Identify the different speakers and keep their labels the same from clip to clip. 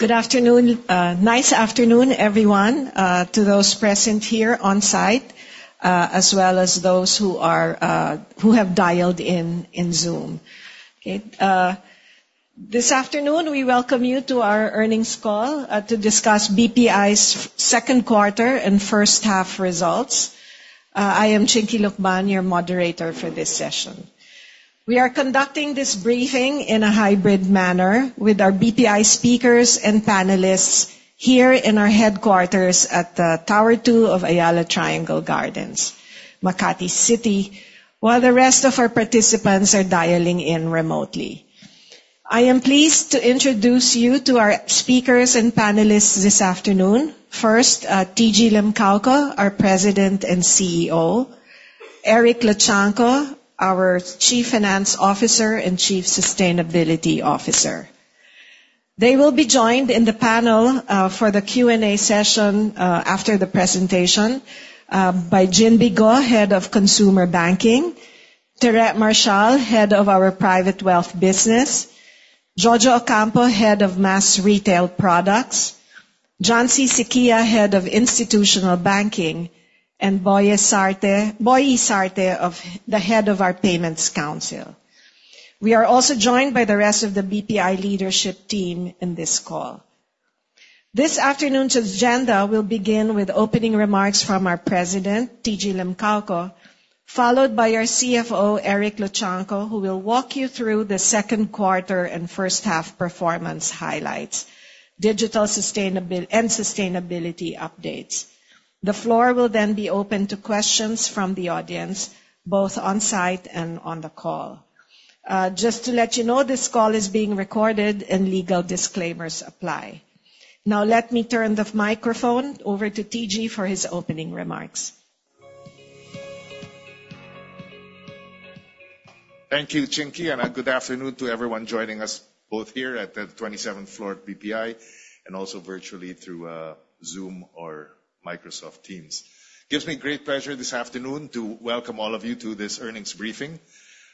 Speaker 1: Good afternoon, everyone, to those present here on site, as well as those who have dialed in on Zoom. This afternoon, we welcome you to our earnings call to discuss BPI's second quarter and first half results. I am Chinky Lucban, your moderator for this session. We are conducting this briefing in a hybrid manner with our BPI speakers and panelists here in our headquarters at Tower Two of Ayala Triangle Gardens, Makati City, while the rest of our participants are dialing in remotely. I am pleased to introduce you to our speakers and panelists this afternoon. First, TG Limcaoco, our President and CEO. Eric Luchangco, our Chief Finance Officer and Chief Sustainability Officer. They will be joined in the panel for the Q&A session after the presentation by Maria Cristina Go, Head of Consumer Banking. Maria Theresa D. Marcial, Head of our private wealth business. Jojo Ocampo, Head of mass retail products. Juan Carlos L. Syquia, Head of Institutional Banking, and Elfren Antonio S. Sarte, Head of our BPI Payment Council. We are also joined by the rest of the BPI leadership team in this call. This afternoon's agenda will begin with opening remarks from our president, TG K. Limcaoco, followed by our CFO, Eric Roberto M. Luchangco, who will walk you through the second quarter and first half performance highlights, digital and sustainability updates. The floor will then be open to questions from the audience, both on site and on the call. Just to let you know, this call is being recorded and legal disclaimers apply. Now let me turn the microphone over to TG for his opening remarks.
Speaker 2: Thank you, Chinky, and good afternoon to everyone joining us both here at the 27th floor at BPI and also virtually through Zoom or Microsoft Teams. Gives me great pleasure this afternoon to welcome all of you to this earnings briefing.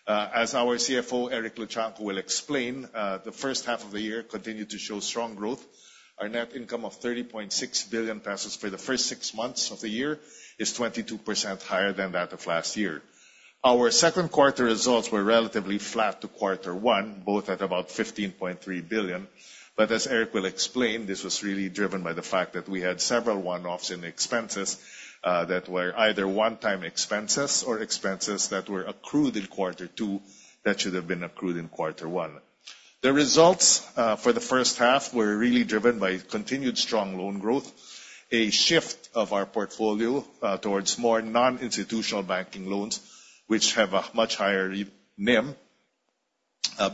Speaker 2: As our CFO, Eric Luchangco, will explain, the first half of the year continued to show strong growth. Our net income of 30.6 billion pesos for the first six months of the year is 22% higher than that of last year. Our second quarter results were relatively flat to quarter one, both at about 15.3 billion. As Eric will explain, this was really driven by the fact that we had several one-offs in expenses that were either one-time expenses or expenses that were accrued in quarter two that should have been accrued in quarter one. The results for the first half were really driven by continued strong loan growth, a shift of our portfolio towards more non-institutional banking loans, which have a much higher NIM,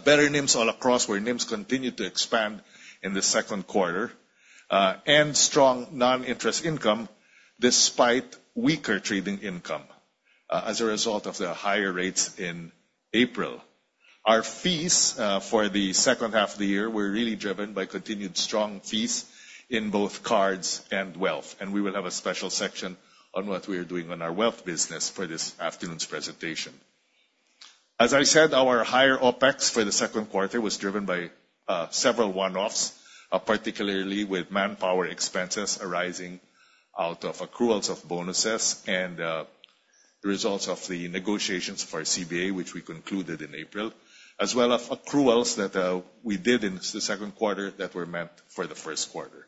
Speaker 2: better NIMs all across, where NIMs continued to expand in the second quarter, and strong non-interest income despite weaker trading income as a result of the higher rates in April. Our fees for the second half of the year were really driven by continued strong fees in both cards and wealth, and we will have a special section on what we are doing on our wealth business for this afternoon's presentation. As I said, our higher OpEx for the second quarter was driven by several one-offs, particularly with manpower expenses arising out of accruals of bonuses and the results of the negotiations for CBA, which we concluded in April, as well as accruals that we did in the second quarter that were meant for the first quarter.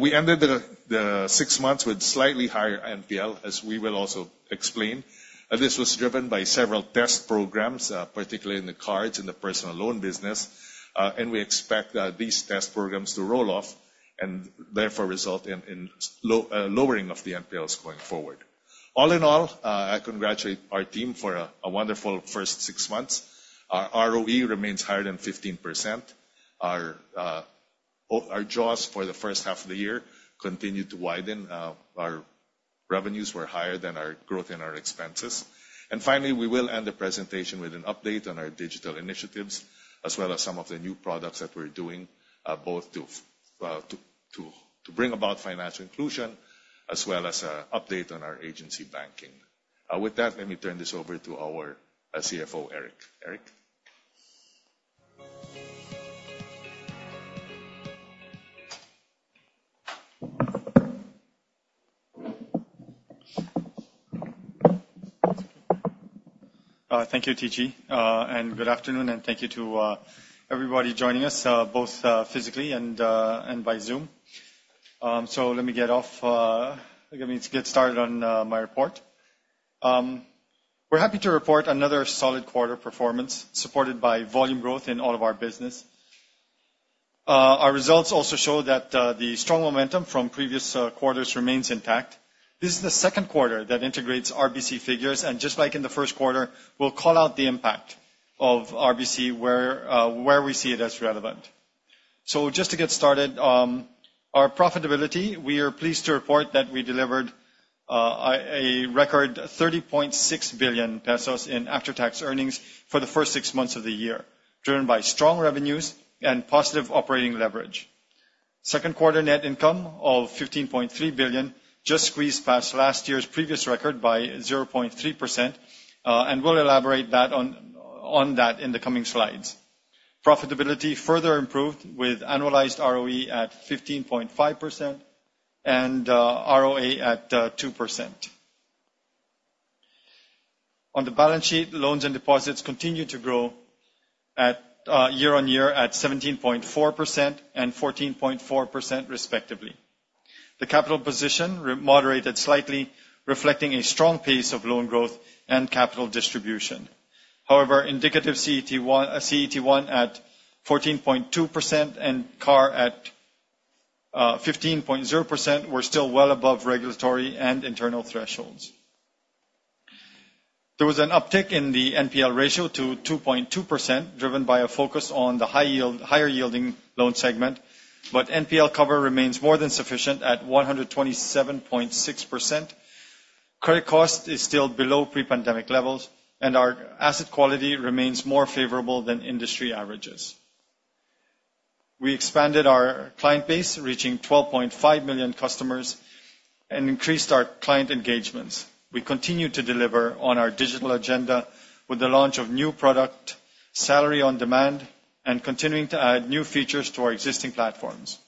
Speaker 2: We ended the six months with slightly higher NPL, as we will also explain. This was driven by several test programs, particularly in the cards and the personal loan business. We expect these test programs to roll off and therefore result in lowering of the NPLs going forward. All in all, I congratulate our team for a wonderful first six months. Our ROE remains higher than 15%. Our jaws for the first half of the year continued to widen. Our revenues were higher than our growth in our expenses. Finally, we will end the presentation with an update on our digital initiatives as well as some of the new products that we're doing, both to bring about financial inclusion as well as an update on our agency banking. With that, let me turn this over to our CFO, Eric. Eric?
Speaker 3: Thank you, TG. And good afternoon, and thank you to everybody joining us both physically and by Zoom. Let me get started on my report. We're happy to report another solid quarter performance supported by volume growth in all of our business. Our results also show that the strong momentum from previous quarters remains intact. This is the second quarter that integrates RBC figures, and just like in the first quarter, we'll call out the impact of RBC where we see it as relevant. Just to get started, our profitability. We are pleased to report that we delivered a record 30.6 billion pesos in after-tax earnings for the first six months of the year, driven by strong revenues and positive operating leverage. Second quarter net income of 15.3 billion just squeezed past last year's previous record by 0.3%, and we'll elaborate on that in the coming slides. Profitability further improved with annualized ROE at 15.5% and ROA at 2%. On the balance sheet, loans and deposits continued to grow at year-on-year 17.4% and 14.4% respectively. The capital position moderated slightly, reflecting a strong pace of loan growth and capital distribution. However, indicative CET1 at 14.2% and CAR at 15.0% were still well above regulatory and internal thresholds. There was an uptick in the NPL ratio to 2.2%, driven by a focus on the high yield, higher yielding loan segment. NPL cover remains more than sufficient at 127.6%. Credit cost is still below pre-pandemic levels, and our asset quality remains more favorable than industry averages. We expanded our client base, reaching 12.5 million customers and increased our client engagements. We continue to deliver on our digital agenda with the launch of new product, Salary On-Demand, and continuing to add new features to our existing platforms.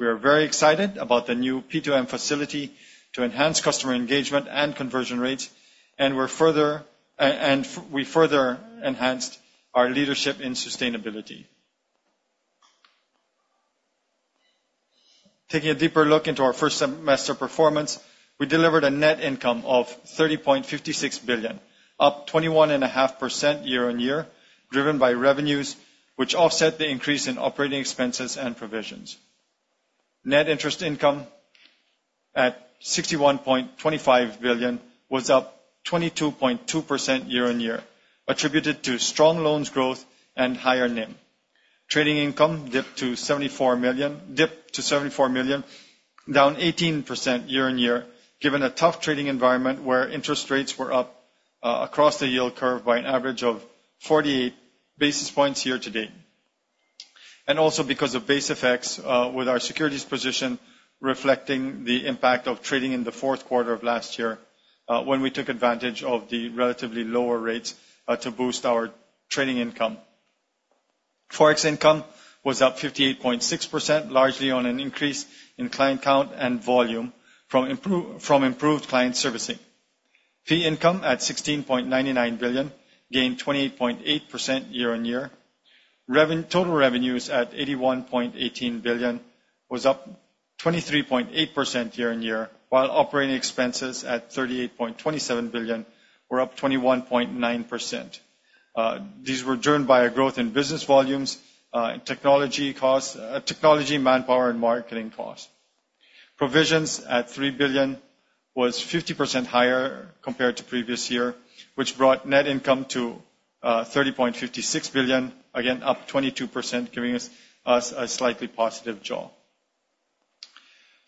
Speaker 3: We are very excited about the new P2M facility to enhance customer engagement and conversion rates, and we further enhanced our leadership in sustainability. Taking a deeper look into our first semester performance, we delivered a net income of 30.56 billion, up 21.5% year-on-year, driven by revenues which offset the increase in operating expenses and provisions. Net interest income at 61.25 billion was up 22.2% year-over-year, attributed to strong loans growth and higher NIM. Trading income dipped to 74 million, down 18% year-over-year, given a tough trading environment where interest rates were up across the yield curve by an average of 48 basis points year to date. Also because of base effects, with our securities position reflecting the impact of trading in the fourth quarter of last year, when we took advantage of the relatively lower rates to boost our trading income. Forex income was up 58.6%, largely on an increase in client count and volume from improved client servicing. Fee income at 16.99 billion gained 28.8% year-over-year. Total revenues at 81.18 billion was up 23.8% year-on-year, while operating expenses at 38.27 billion were up 21.9%. These were driven by a growth in business volumes, technology costs, technology, manpower, and marketing costs. Provisions at 3 billion was 50% higher compared to previous year, which brought net income to 30.56 billion, again up 22%, giving us a slightly positive jaw.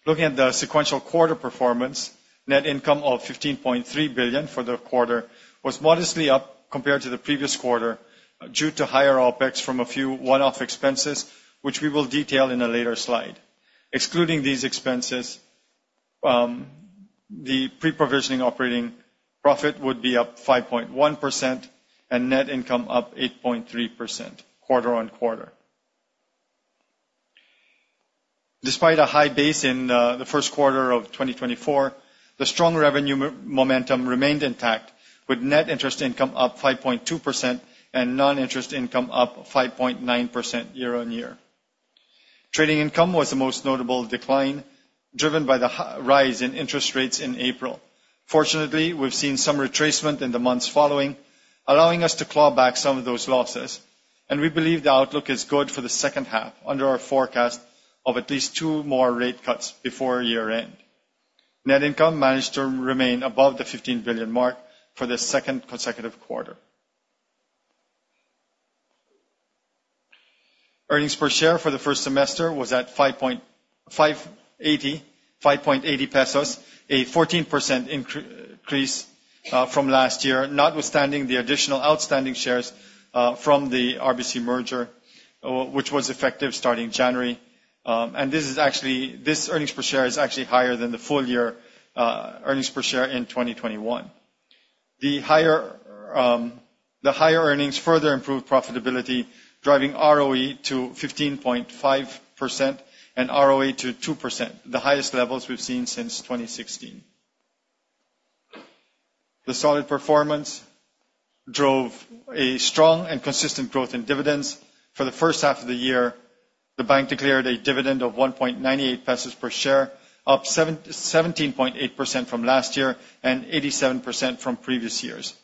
Speaker 3: Looking at the sequential quarter performance, net income of 15.3 billion for the quarter was modestly up compared to the previous quarter due to higher OpEx from a few one-off expenses, which we will detail in a later slide. Excluding these expenses, the pre-provisioning operating profit would be up 5.1% and net income up 8.3% quarter-on-quarter. Despite a high base in the first quarter of 2024, the strong revenue momentum remained intact, with net interest income up 5.2% and non-interest income up 5.9% year-on-year. Trading income was the most notable decline, driven by the rise in interest rates in April. Fortunately, we've seen some retracement in the months following, allowing us to claw back some of those losses, and we believe the outlook is good for the second half under our forecast of at least two more rate cuts before year end. Net income managed to remain above 15 billion for the second consecutive quarter. Earnings per share for the first semester was at 5.80 pesos, a 14% increase from last year, notwithstanding the additional outstanding shares from the RBC merger, which was effective starting January. This earnings per share is actually higher than the full year earnings per share in 2021. The higher earnings further improved profitability, driving ROE to 15.5% and ROA to 2%, the highest levels we've seen since 2016. The solid performance drove a strong and consistent growth in dividends. For the first half of the year, the bank declared a dividend of 1.98 pesos per share, up 17.8% from last year and 87% from previous years.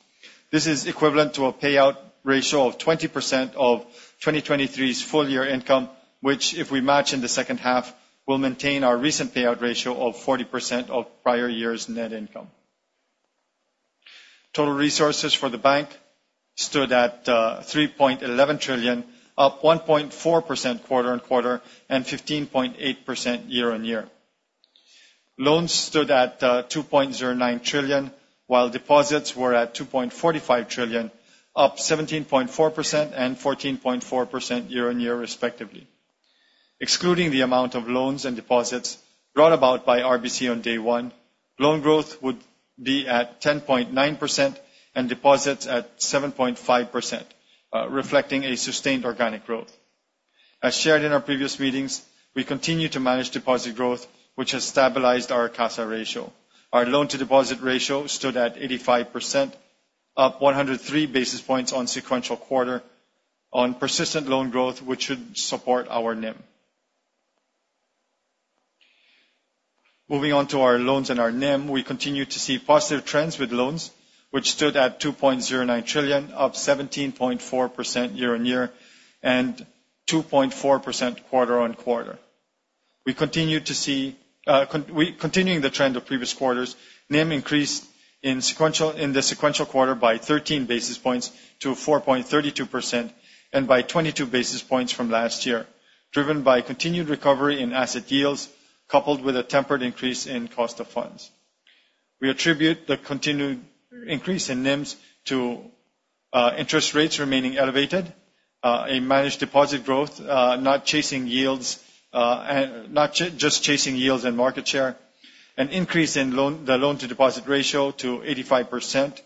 Speaker 3: This is equivalent to a payout ratio of 20% of 2023's full year income, which if we match in the second half, will maintain our recent payout ratio of 40% of prior year's net income. Total resources for the bank stood at 3.11 trillion, up 1.4% quarter-on-quarter and 15.8% year-on-year. Loans stood at 2.09 trillion, while deposits were at 2.45 trillion, up 17.4% and 14.4% year-on-year respectively. Excluding the amount of loans and deposits brought about by RBC on day one, loan growth would be at 10.9% and deposits at 7.5%, reflecting a sustained organic growth. As shared in our previous meetings, we continue to manage deposit growth, which has stabilized our CASA ratio. Our loan to deposit ratio stood at 85%, up 103 basis points on sequential quarter on persistent loan growth, which should support our NIM. Moving on to our loans and our NIM, we continue to see positive trends with loans, which stood at 2.09 trillion, up 17.4% year-on-year, and 2.4% quarter-on-quarter. We continued to see continuing the trend of previous quarters, NIM increased in the sequential quarter by 13 basis points to 4.32% and by 22 basis points from last year, driven by continued recovery in asset yields, coupled with a tempered increase in cost of funds. We attribute the continued increase in NIMs to interest rates remaining elevated, a managed deposit growth, not chasing yields and market share, an increase in the loan to deposit ratio to 85%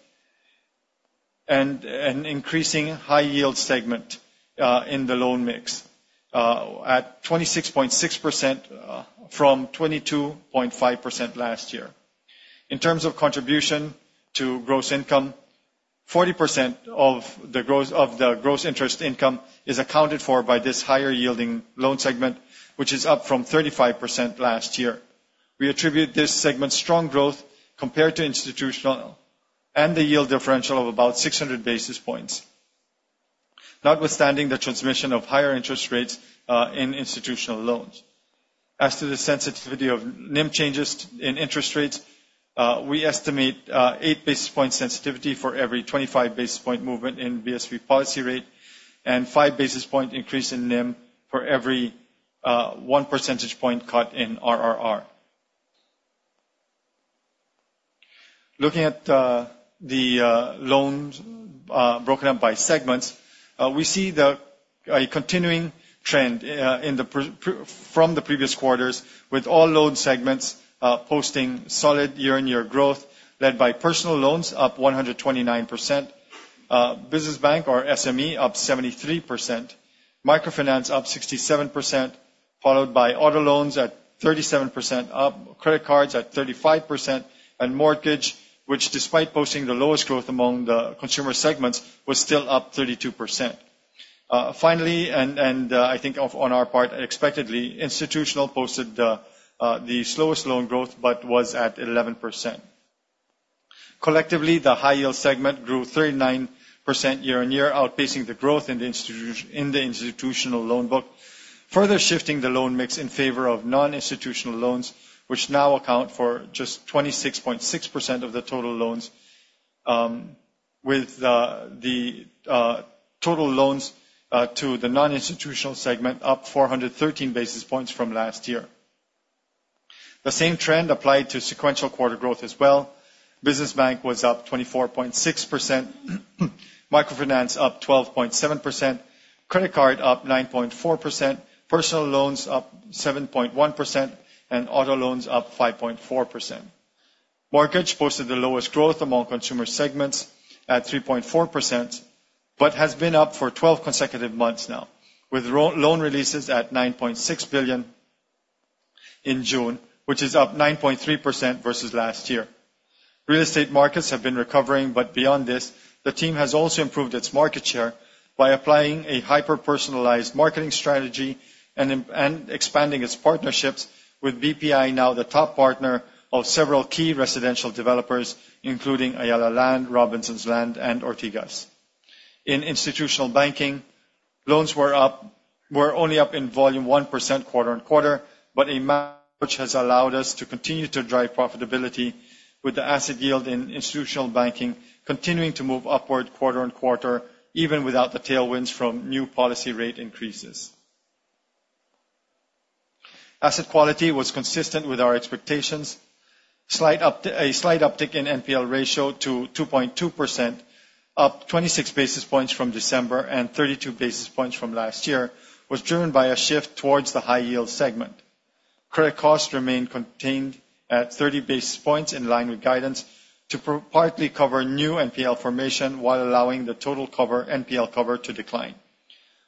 Speaker 3: and increasing high yield segment in the loan mix at 26.6% from 22.5% last year. In terms of contribution to gross income, 40% of the gross interest income is accounted for by this higher yielding loan segment, which is up from 35% last year. We attribute this segment's strong growth compared to institutional and the yield differential of about 600 basis points, notwithstanding the transmission of higher interest rates in institutional loans. As to the sensitivity of NIM changes in interest rates, we estimate 8 basis point sensitivity for every 25 basis point movement in BSP policy rate and 5 basis point increase in NIM for every 1 percentage point cut in RRR. Looking at the loans broken up by segments, we see a continuing trend from the previous quarters with all loan segments posting solid year-on-year growth, led by personal loans up 129%, business bank or SME up 73%, microfinance up 67%, followed by auto loans up 37%, credit cards at 35%, and mortgage, which despite posting the lowest growth among the consumer segments, was still up 32%. Finally, I think on our part, expectedly, institutional posted the slowest loan growth, but was at 11%. Collectively, the high yield segment grew 39% year-on-year, outpacing the growth in the institutional loan book, further shifting the loan mix in favor of non-institutional loans, which now account for just 26.6% of the total loans, with the total loans to the non-institutional segment up 413 basis points from last year. The same trend applied to sequential quarter growth as well. Business bank was up 24.6%, microfinance up 12.7%, credit card up 9.4%, personal loans up 7.1%, and auto loans up 5.4%. Mortgage posted the lowest growth among consumer segments at 3.4%, but has been up for 12 consecutive months now with home loan releases at 9.6 billion in June, which is up 9.3% versus last year. Real estate markets have been recovering, but beyond this, the team has also improved its market share by applying a hyper-personalized marketing strategy and expanding its partnerships with BPI, now the top partner of several key residential developers, including Ayala Land, Robinsons Land, and Ortigas Land. In institutional banking, loans were only up in volume 1% quarter-on-quarter, but which has allowed us to continue to drive profitability with the asset yield in institutional banking continuing to move upward quarter-on-quarter, even without the tailwinds from new policy rate increases. Asset quality was consistent with our expectations. A slight uptick in NPL ratio to 2.2%, up 26 basis points from December and 32 basis points from last year was driven by a shift towards the high yield segment. Credit costs remain contained at 30 basis points in line with guidance to partly cover new NPL formation while allowing the total cover, NPL cover to decline.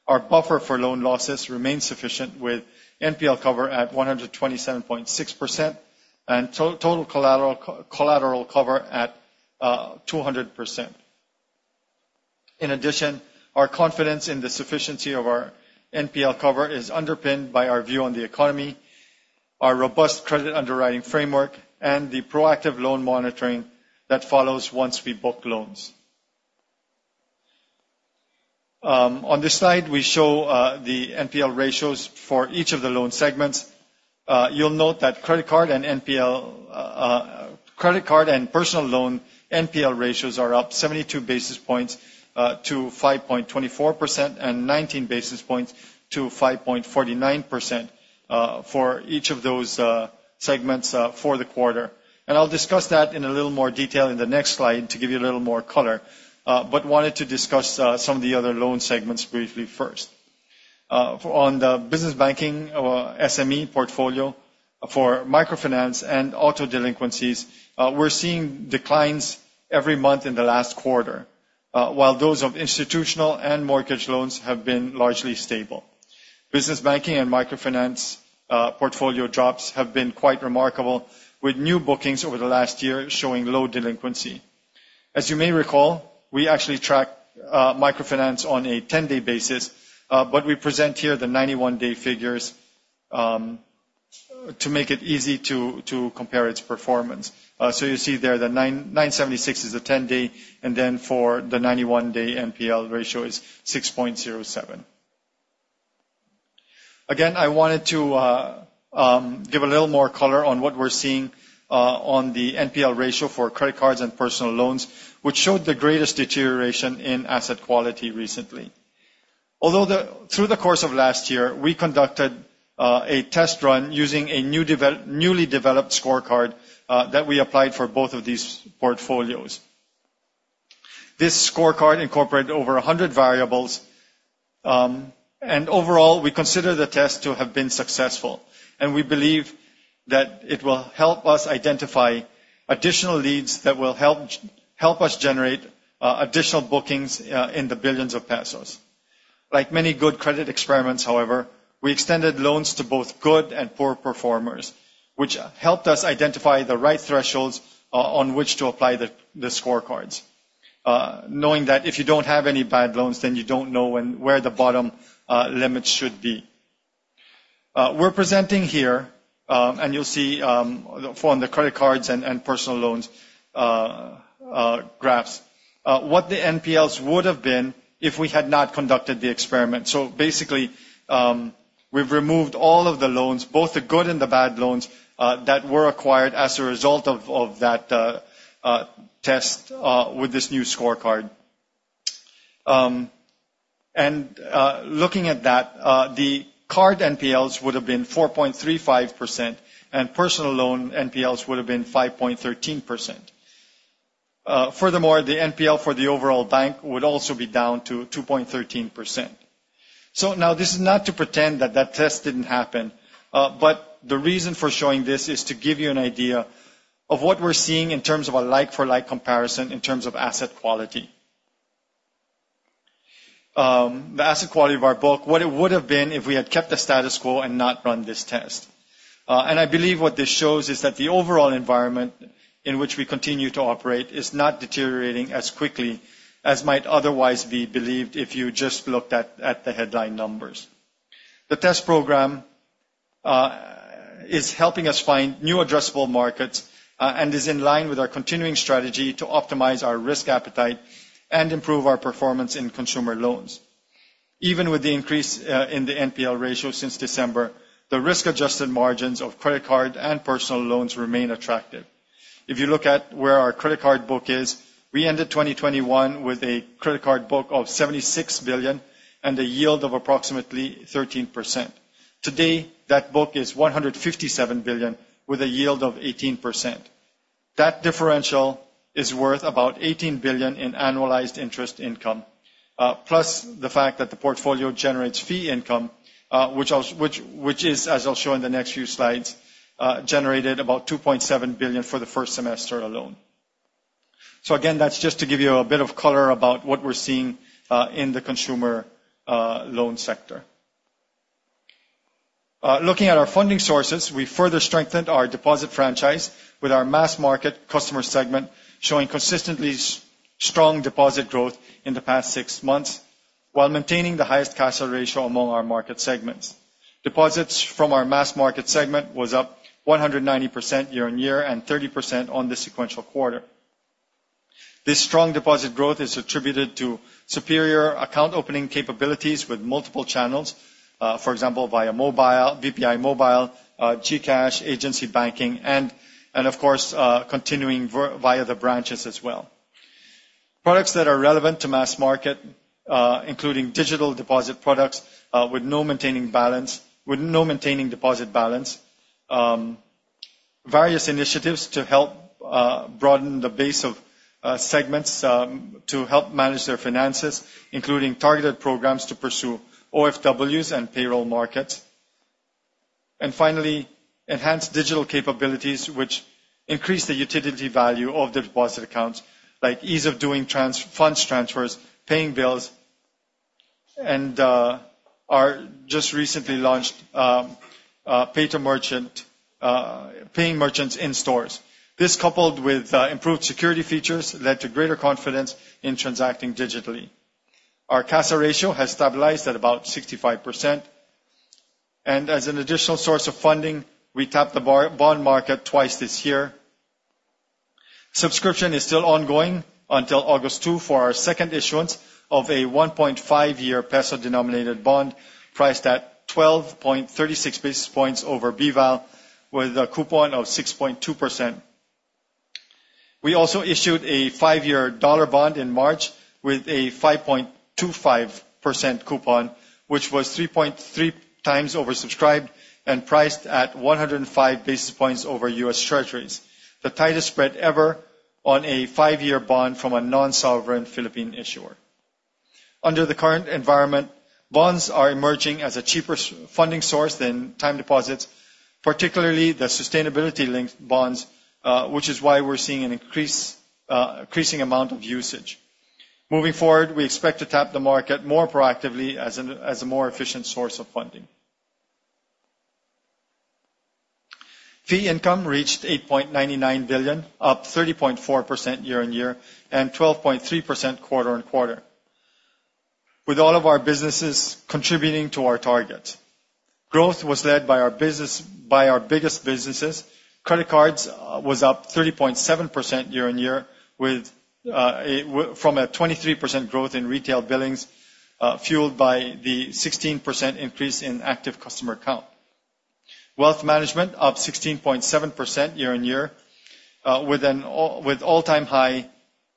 Speaker 3: Our buffer for loan losses remains sufficient, with NPL cover at 127.6% and total collateral cover at 200%. In addition, our confidence in the sufficiency of our NPL cover is underpinned by our view on the economy, our robust credit underwriting framework, and the proactive loan monitoring that follows once we book loans. On this slide, we show the NPL ratios for each of the loan segments. You'll note that credit card and NPL, credit card and personal loan NPL ratios are up 72 basis points to 5.24% and 19 basis points to 5.49%. For each of those segments, for the quarter. I'll discuss that in a little more detail in the next slide to give you a little more color, but wanted to discuss some of the other loan segments briefly first. On the business banking or SME portfolio for microfinance and auto delinquencies, we're seeing declines every month in the last quarter, while those of institutional and mortgage loans have been largely stable. Business banking and microfinance portfolio drops have been quite remarkable, with new bookings over the last year showing low delinquency. As you may recall, we actually track microfinance on a 10-day basis, but we present here the 91-day figures to make it easy to compare its performance. So you see there 9.976% is the 10-day, and then for the 91-day NPL ratio is 6.07%. Again, I wanted to give a little more color on what we're seeing on the NPL ratio for credit cards and personal loans, which showed the greatest deterioration in asset quality recently. Although through the course of last year, we conducted a test run using a newly developed scorecard that we applied for both of these portfolios. This scorecard incorporated over 100 variables. Overall, we consider the test to have been successful, and we believe that it will help us identify additional leads that will help us generate additional bookings in the billions of PHP. Like many good credit experiments, however, we extended loans to both good and poor performers, which helped us identify the right thresholds on which to apply the scorecards. Knowing that if you don't have any bad loans, then you don't know where the bottom limits should be. We're presenting here, and you'll see, for the credit cards and personal loans, graphs what the NPLs would have been if we had not conducted the experiment. Basically, we've removed all of the loans, both the good and the bad loans, that were acquired as a result of that test with this new scorecard. Looking at that, the card NPLs would have been 4.35%, and personal loan NPLs would have been 5.13%. Furthermore, the NPL for the overall bank would also be down to 2.13%. Now this is not to pretend that that test didn't happen, but the reason for showing this is to give you an idea of what we're seeing in terms of a like-for-like comparison in terms of asset quality. The asset quality of our book, what it would have been if we had kept the status quo and not run this test. I believe what this shows is that the overall environment in which we continue to operate is not deteriorating as quickly as might otherwise be believed if you just looked at the headline numbers. The test program is helping us find new addressable markets and is in line with our continuing strategy to optimize our risk appetite and improve our performance in consumer loans. Even with the increase in the NPL ratio since December, the risk-adjusted margins of credit card and personal loans remain attractive. If you look at where our credit card book is, we ended 2021 with a credit card book of 76 billion and a yield of approximately 13%. Today, that book is 157 billion with a yield of 18%. That differential is worth about 18 billion in annualized interest income, plus the fact that the portfolio generates fee income, which is, as I'll show in the next few slides, generated about 2.7 billion for the first semester alone. Again, that's just to give you a bit of color about what we're seeing in the consumer loan sector. Looking at our funding sources, we further strengthened our deposit franchise with our mass market customer segment, showing consistently strong deposit growth in the past six months while maintaining the highest CASA ratio among our market segments. Deposits from our mass market segment was up 190% year-on-year and 30% quarter-on-quarter. This strong deposit growth is attributed to superior account opening capabilities with multiple channels, for example, via mobile, BPI Mobile, GCash, agency banking, and of course, continuing via the branches as well. Products that are relevant to mass market, including digital deposit products, with no maintaining deposit balance. Various initiatives to help broaden the base of segments, to help manage their finances, including targeted programs to pursue OFWs and payroll markets. Finally, enhanced digital capabilities, which increase the utility value of the deposit accounts, like ease of doing funds transfers, paying bills, and our just recently launched P2M, paying merchants in stores. This, coupled with improved security features, led to greater confidence in transacting digitally. Our CASA ratio has stabilized at about 65%. As an additional source of funding, we tapped the bond market twice this year. Subscription is still ongoing until August 2 for our second issuance of a 1.5-year peso-denominated bond priced at 12.36 basis points over BVAL with a coupon of 6.2%. We also issued a five-year dollar bond in March with a 5.25% coupon, which was 3.3x oversubscribed and priced at 105 basis points over U.S. Treasuries, the tightest spread ever on a five-year bond from a non-sovereign Philippine issuer. Under the current environment, bonds are emerging as a cheaper funding source than time deposits, particularly the sustainability-linked bonds, which is why we're seeing an increasing amount of usage. Moving forward, we expect to tap the market more proactively as a more efficient source of funding. Fee income reached 8.99 billion, up 30.4% year-on-year and 12.3% quarter-on-quarter. With all of our businesses contributing to our target. Growth was led by our biggest businesses. Credit cards was up 30.7% year-on-year with a 23% growth in retail billings, fueled by the 16% increase in active customer count. Wealth management up 16.7% year-on-year, with all-time high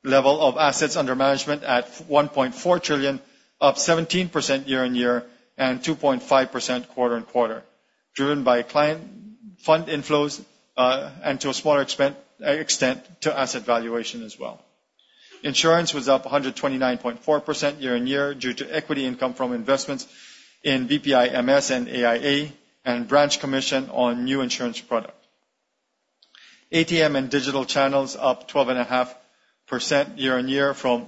Speaker 3: level of assets under management at 1.4 trillion, up 17% year-on-year and 2.5% quarter-on-quarter, driven by client fund inflows and to a smaller extent asset valuation as well. Insurance was up 129.4% year-on-year due to equity income from investments in BPI-MS and AIA and branch commission on new insurance product. ATM and digital channels up 12.5% year-on-year from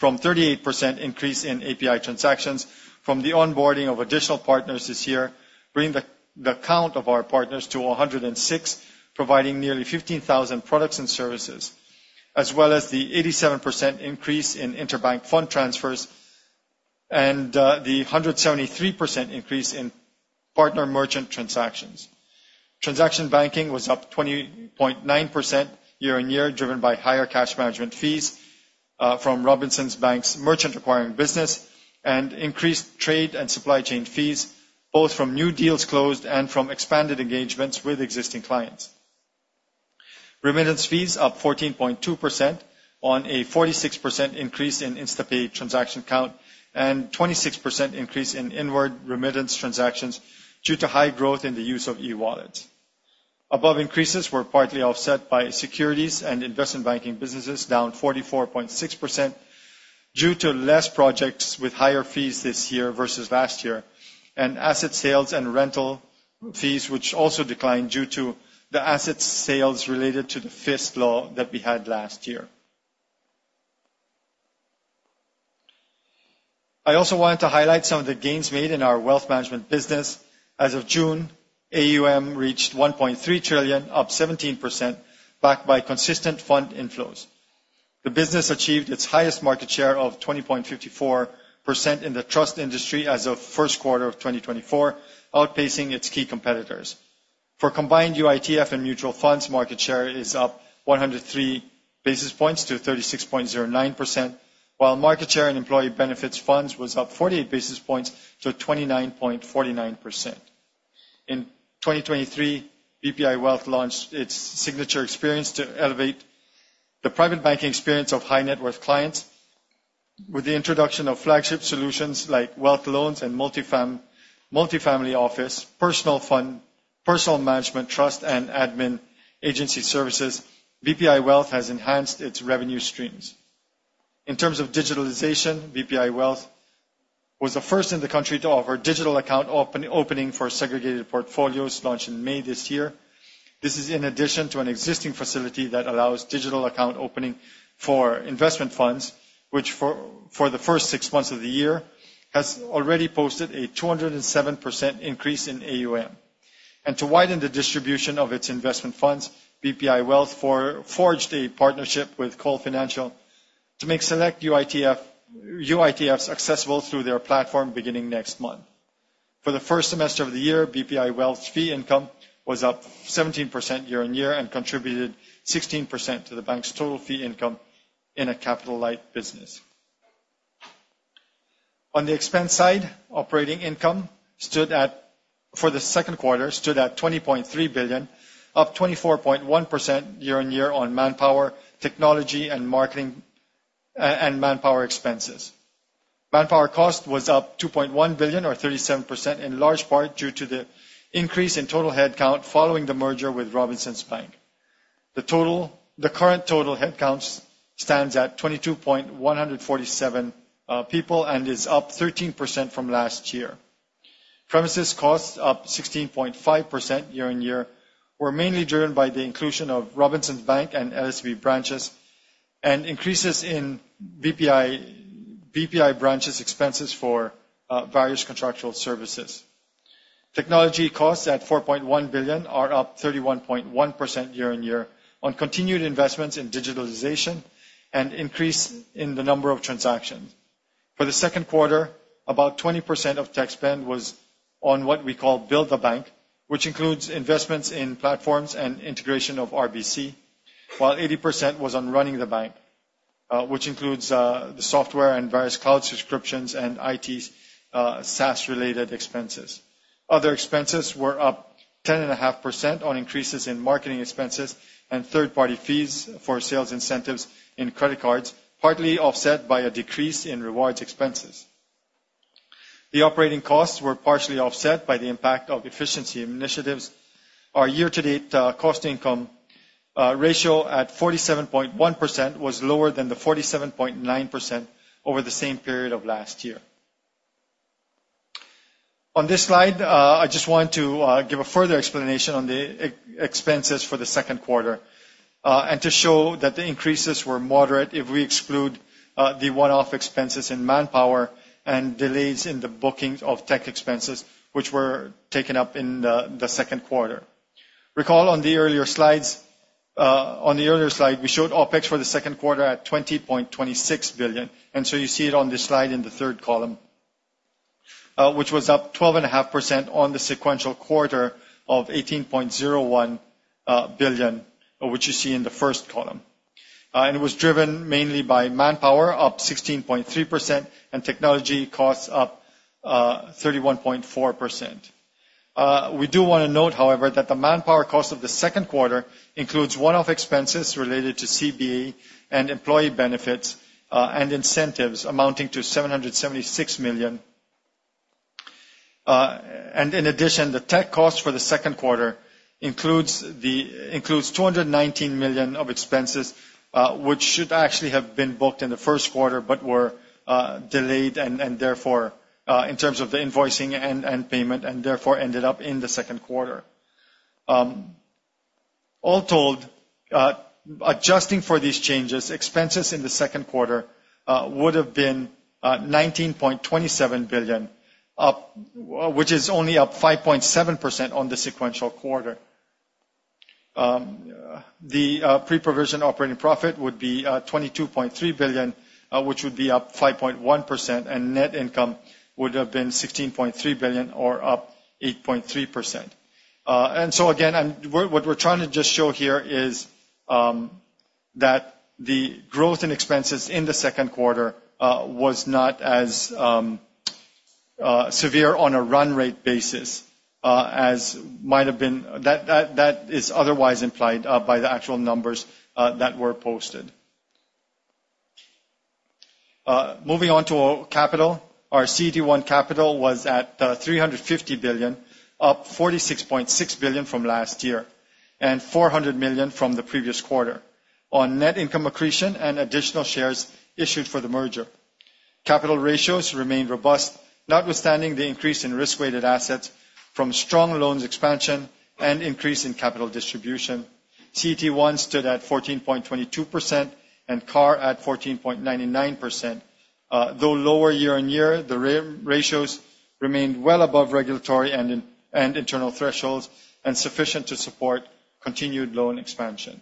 Speaker 3: 38% increase in API transactions from the onboarding of additional partners this year, bringing the count of our partners to 106, providing nearly 15,000 products and services, as well as the 87% increase in interbank fund transfers and the 173% increase in partner merchant transactions. Transaction banking was up 20.9% year-on-year, driven by higher cash management fees from Robinsons Bank's merchant acquiring business and increased trade and supply chain fees, both from new deals closed and from expanded engagements with existing clients. Remittance fees up 14.2% on a 46% increase in InstaPay transaction count and 26% increase in inward remittance transactions due to high growth in the use of e-wallets. Above increases were partly offset by securities and investment banking businesses, down 44.6% due to less projects with higher fees this year versus last year, and asset sales and rental fees, which also declined due to the asset sales related to the FIST Act that we had last year. I also wanted to highlight some of the gains made in our wealth management business. As of June, AUM reached 1.3 trillion, up 17%, backed by consistent fund inflows. The business achieved its highest market share of 20.54% in the trust industry as of first quarter of 2024, outpacing its key competitors. For combined UITF and mutual funds, market share is up 103 basis points to 36.09%, while market share in employee benefits funds was up 48 basis points to 29.49%. In 2023, BPI Wealth launched its signature experience to elevate the private banking experience of high-net-worth clients. With the introduction of flagship solutions like wealth loans and multifamily office, personal fund, personal management trust, and admin agency services, BPI Wealth has enhanced its revenue streams. In terms of digitalization, BPI Wealth was the first in the country to offer digital account opening for segregated portfolios launched in May this year. This is in addition to an existing facility that allows digital account opening for investment funds, which, for the first six months of the year, has already posted a 207% increase in AUM. To widen the distribution of its investment funds, BPI Wealth forged a partnership with COL Financial to make select UITFs accessible through their platform beginning next month. For the first semester of the year, BPI Wealth fee income was up 17% year-on-year and contributed 16% to the bank's total fee income in a capital-light business. On the expense side, operating expenses stood at, for the second quarter, 20.3 billion, up 24.1% year-on-year on manpower, technology, and marketing expenses. Manpower cost was up 2.1 billion or 37% in large part due to the increase in total headcount following the merger with Robinsons Bank. The current total headcount stands at 22,147 people and is up 13% from last year. Premises costs up 16.5% year-over-year were mainly driven by the inclusion of Robinsons Bank and Legaspi Savings Bank branches and increases in BPI branches expenses for various contractual services. Technology costs at 4.1 billion are up 31.1% year-over-year on continued investments in digitalization and increase in the number of transactions. For the second quarter, about 20% of tech spend was on what we call build the bank, which includes investments in platforms and integration of RBC, while 80% was on running the bank, which includes the software and various cloud subscriptions and IT SaaS related expenses. Other expenses were up 10.5% on increases in marketing expenses and third party fees for sales incentives in credit cards, partly offset by a decrease in rewards expenses. The operating costs were partially offset by the impact of efficiency initiatives. Our year-to-date cost income ratio at 47.1% was lower than the 47.9% over the same period of last year. On this slide, I just want to give a further explanation on the expenses for the second quarter, and to show that the increases were moderate if we exclude the one-off expenses in manpower and delays in the booking of tech expenses, which were taken up in the second quarter. Recall on the earlier slide, we showed OpEx for the second quarter at 20.26 billion, and so you see it on this slide in the third column. Which was up 12.5% on the sequential quarter of 18.01 billion, which you see in the first column. It was driven mainly by manpower up 16.3% and technology costs up 31.4%. We do wanna note, however, that the manpower cost of the second quarter includes one-off expenses related to CBA and employee benefits and incentives amounting to 776 million. In addition, the tech cost for the second quarter includes 219 million of expenses, which should actually have been booked in the first quarter but were delayed and therefore, in terms of the invoicing and payment, and therefore ended up in the second quarter. All told, adjusting for these changes, expenses in the second quarter would have been 19.27 billion, which is only up 5.7% on the sequential quarter. The pre-provision operating profit would be 22.3 billion, which would be up 5.1%, and net income would have been 16.3 billion or up 8.3%. What we're trying to just show here is that the growth in expenses in the second quarter was not as severe on a run rate basis as might have been that is otherwise implied by the actual numbers that were posted. Moving on to our capital. Our CET1 capital was at 350 billion, up 46.6 billion from last year, and 400 million from the previous quarter on net income accretion and additional shares issued for the merger. Capital ratios remained robust, notwithstanding the increase in risk-weighted assets from strong loans expansion and increase in capital distribution. CET1 stood at 14.22% and CAR at 14.99%. Though lower year-on-year, the ratios remained well above regulatory and internal thresholds and sufficient to support continued loan expansion.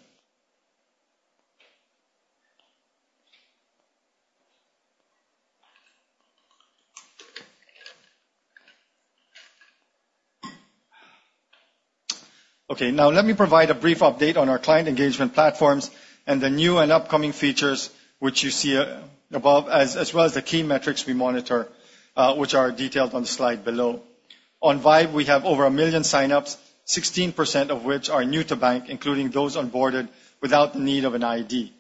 Speaker 3: Okay, now let me provide a brief update on our client engagement platforms and the new and upcoming features which you see above, as well as the key metrics we monitor, which are detailed on the slide below. On VYBE, we have over 1 million signups, 16% of which are new to bank, including those onboarded without the need of an ID.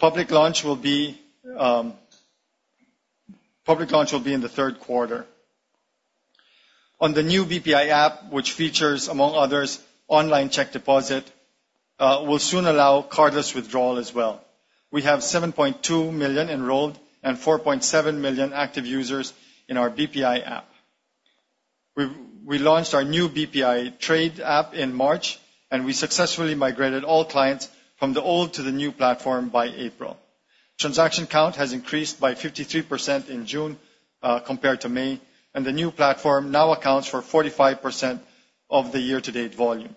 Speaker 3: Public launch will be in the third quarter. On the new BPI app, which features, among others, online check deposit, will soon allow cardless withdrawal as well. We have 7.2 million enrolled and 4.7 million active users in our BPI app. We launched our new BPI Trade app in March, and we successfully migrated all clients from the old to the new platform by April. Transaction count has increased by 53% in June compared to May, and the new platform now accounts for 45% of the year-to-date volume.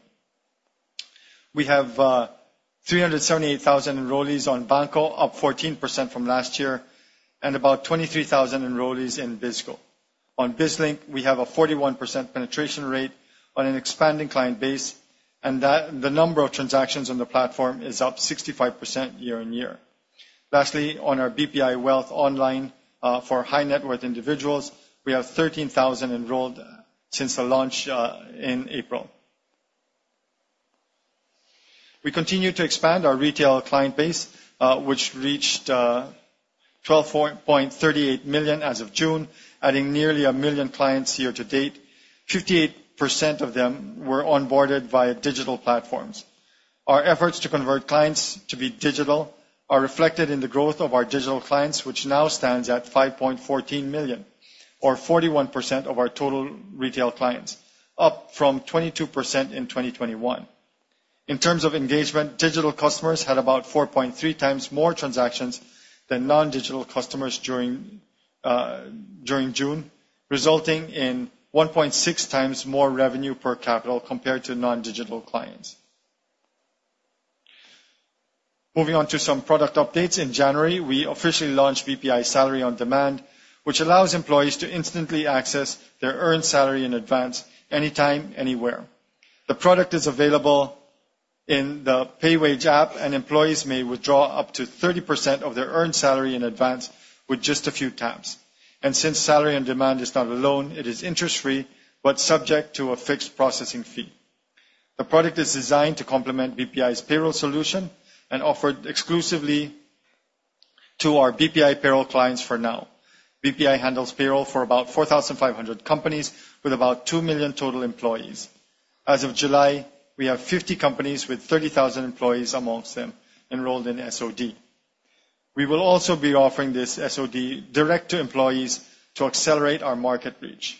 Speaker 3: We have 378,000 enrollees on BanKo, up 14% from last year, and about 23,000 enrollees in BizKo. On BizLink, we have a 41% penetration rate on an expanding client base, and that the number of transactions on the platform is up 65% year-over-year. Lastly, on our BPI Wealth Online, for high net worth individuals, we have 13,000 enrolled since the launch in April. We continue to expand our retail client base, which reached 12.38 million as of June, adding nearly a million clients year to date. 58% of them were onboarded via digital platforms. Our efforts to convert clients to be digital are reflected in the growth of our digital clients, which now stands at 5.14 million or 41% of our total retail clients, up from 22% in 2021. In terms of engagement, digital customers had about 4.3x more transactions than non-digital customers during June, resulting in 1.6x more revenue per capital compared to non-digital clients. Moving on to some product updates. In January, we officially launched BPI Salary On-Demand, which allows employees to instantly access their earned salary in advance anytime, anywhere. The product is available in the PayWage app, and employees may withdraw up to 30% of their earned salary in advance with just a few taps. Since Salary On-Demand is not a loan, it is interest-free, but subject to a fixed processing fee. The product is designed to complement BPI's payroll solution and offered exclusively to our BPI payroll clients for now. BPI handles payroll for about 4,500 companies with about 2 million total employees. As of July, we have 50 companies with 30,000 employees amongst them enrolled in SoD. We will also be offering this SoD direct to employees to accelerate our market reach.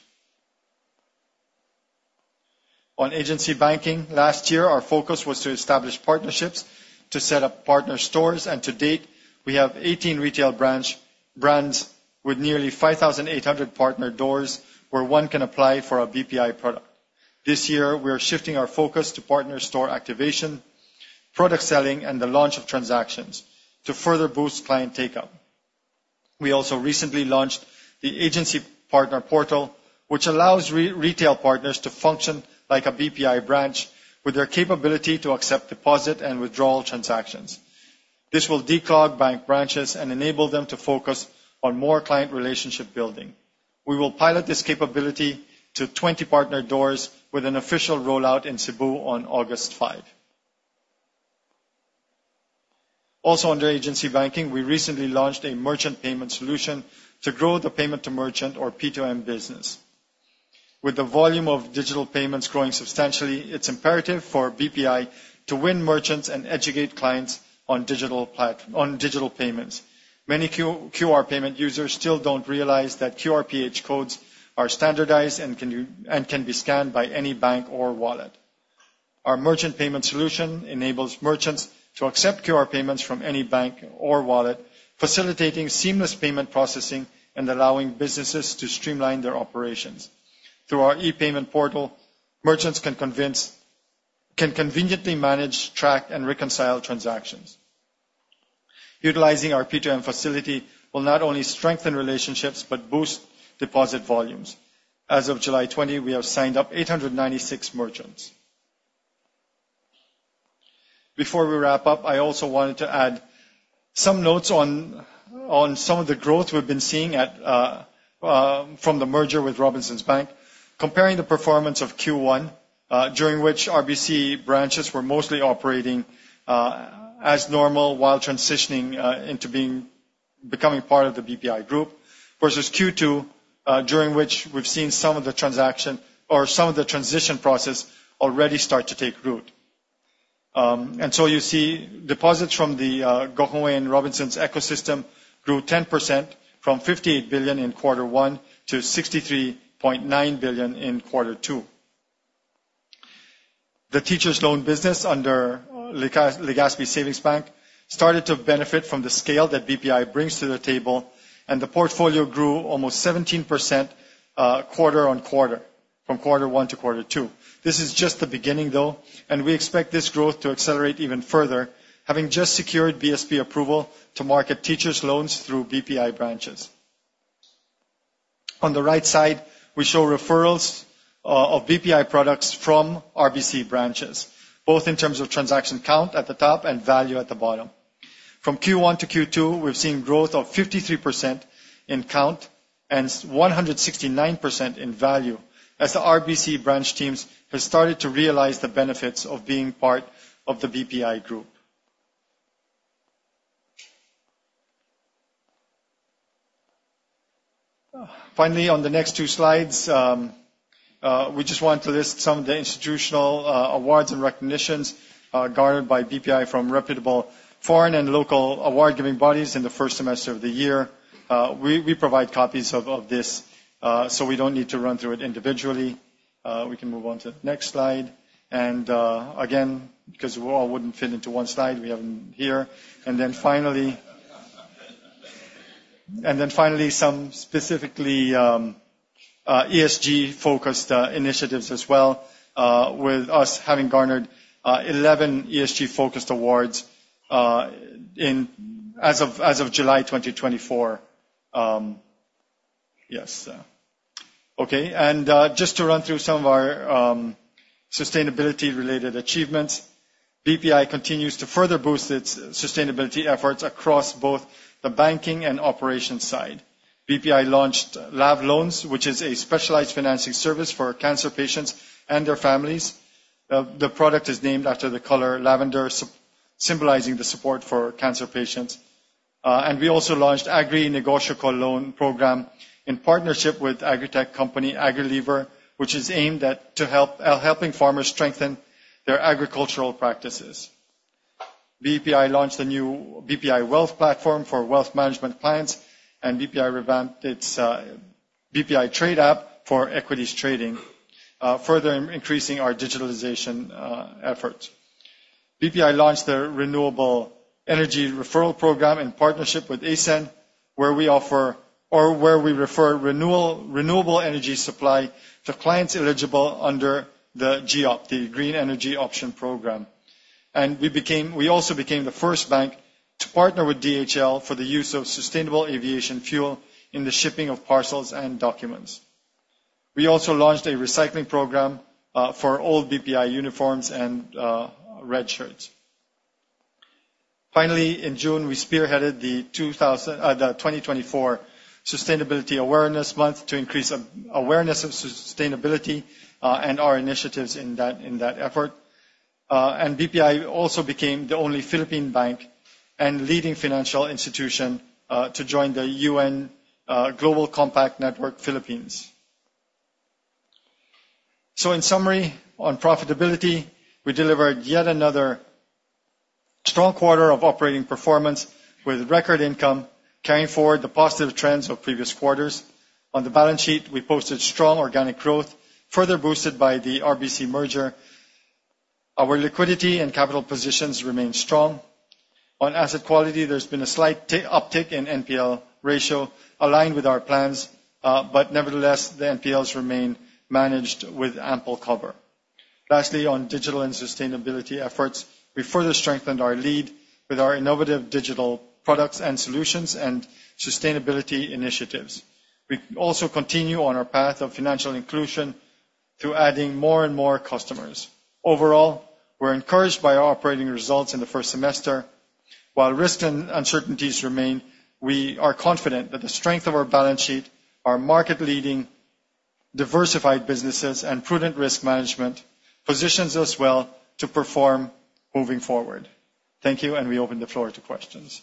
Speaker 3: On agency banking, last year our focus was to establish partnerships to set up partner stores, and to date, we have 18 retail brands with nearly 5,800 partner doors where one can apply for a BPI product. This year, we are shifting our focus to partner store activation, product selling, and the launch of transactions to further boost client takeout. We also recently launched the agency partner portal, which allows rural retail partners to function like a BPI branch with their capability to accept deposit and withdrawal transactions. This will declog bank branches and enable them to focus on more client relationship building. We will pilot this capability to 20 partner doors with an official rollout in Cebu on August 5. Under agency banking, we recently launched a merchant payment solution to grow the Person-to-Merchant, or P2M, business. With the volume of digital payments growing substantially, it's imperative for BPI to win merchants and educate clients on digital payments. Many QR payment users still don't realize that QRPH codes are standardized and can be scanned by any bank or wallet. Our merchant payment solution enables merchants to accept QR payments from any bank or wallet, facilitating seamless payment processing and allowing businesses to streamline their operations. Through our e-payment portal, merchants can conveniently manage, track, and reconcile transactions. Utilizing our P2M facility will not only strengthen relationships, but boost deposit volumes. As of July 20, we have signed up 896 merchants. Before we wrap up, I also wanted to add some notes on some of the growth we've been seeing from the merger with Robinsons Bank, comparing the performance of Q1 during which RBC branches were mostly operating as normal while transitioning into becoming part of the BPI Group, versus Q2 during which we've seen some of the transaction or some of the transition process already start to take root. You see deposits from the Gokongwei and Robinsons ecosystem grew 10% from 58 billion in quarter one to 63.9 billion in quarter two. The Teachers' Loan business under Legaspi Savings Bank started to benefit from the scale that BPI brings to the table, and the portfolio grew almost 17%, quarter-on-quarter, from quarter one to quarter two. This is just the beginning, though, and we expect this growth to accelerate even further, having just secured BSP approval to market Teachers' Loans through BPI branches. On the right side, we show referrals of BPI products from RBC branches, both in terms of transaction count at the top and value at the bottom. From Q1 to Q2, we've seen growth of 53% in count and 169% in value as the RBC branch teams have started to realize the benefits of being part of the BPI group. Finally, on the next two slides, we just want to list some of the institutional awards and recognitions garnered by BPI from reputable foreign and local award-giving bodies in the first semester of the year. We provide copies of this, so we don't need to run through it individually. We can move on to the next slide. Again, because we all wouldn't fit into one slide, we have them here. Finally, some specifically ESG-focused initiatives as well, with us having garnered 11 ESG-focused awards as of July 2024. Yes. Okay. Just to run through some of our sustainability-related achievements. BPI continues to further boost its sustainability efforts across both the banking and operations side. BPI launched LavLoans, which is a specialized financing service for cancer patients and their families. The product is named after the color lavender, symbolizing the support for cancer patients. We also launched Agri-Negosyo Loan program in partnership with agritech company, Agrilever, which is aimed at helping farmers strengthen their agricultural practices. BPI launched a new BPI Wealth platform for wealth management clients, and BPI revamped its BPI Trade app for equities trading, further increasing our digitalization efforts. BPI launched a renewable energy referral program in partnership with ACEN, where we offer, or where we refer renewable energy supply to clients eligible under the Green Energy Option program. We also became the first bank to partner with DHL for the use of sustainable aviation fuel in the shipping of parcels and documents. We also launched a recycling program for old BPI uniforms and red shirts. Finally, in June, we spearheaded the 2024 Sustainability Awareness Month to increase awareness of sustainability and our initiatives in that effort. BPI also became the only Philippine bank and leading financial institution to join the UN Global Compact Network Philippines. In summary, on profitability, we delivered yet another strong quarter of operating performance with record income carrying forward the positive trends of previous quarters. On the balance sheet, we posted strong organic growth, further boosted by the RBC merger. Our liquidity and capital positions remain strong. On asset quality, there's been a slight uptick in NPL ratio aligned with our plans, but nevertheless, the NPLs remain managed with ample cover. Lastly, on digital and sustainability efforts, we further strengthened our lead with our innovative digital products and solutions and sustainability initiatives. We also continue on our path of financial inclusion through adding more and more customers. Overall, we're encouraged by our operating results in the first semester. While risks and uncertainties remain, we are confident that the strength of our balance sheet, our market-leading diversified businesses, and prudent risk management positions us well to perform moving forward. Thank you, and we open the floor to questions.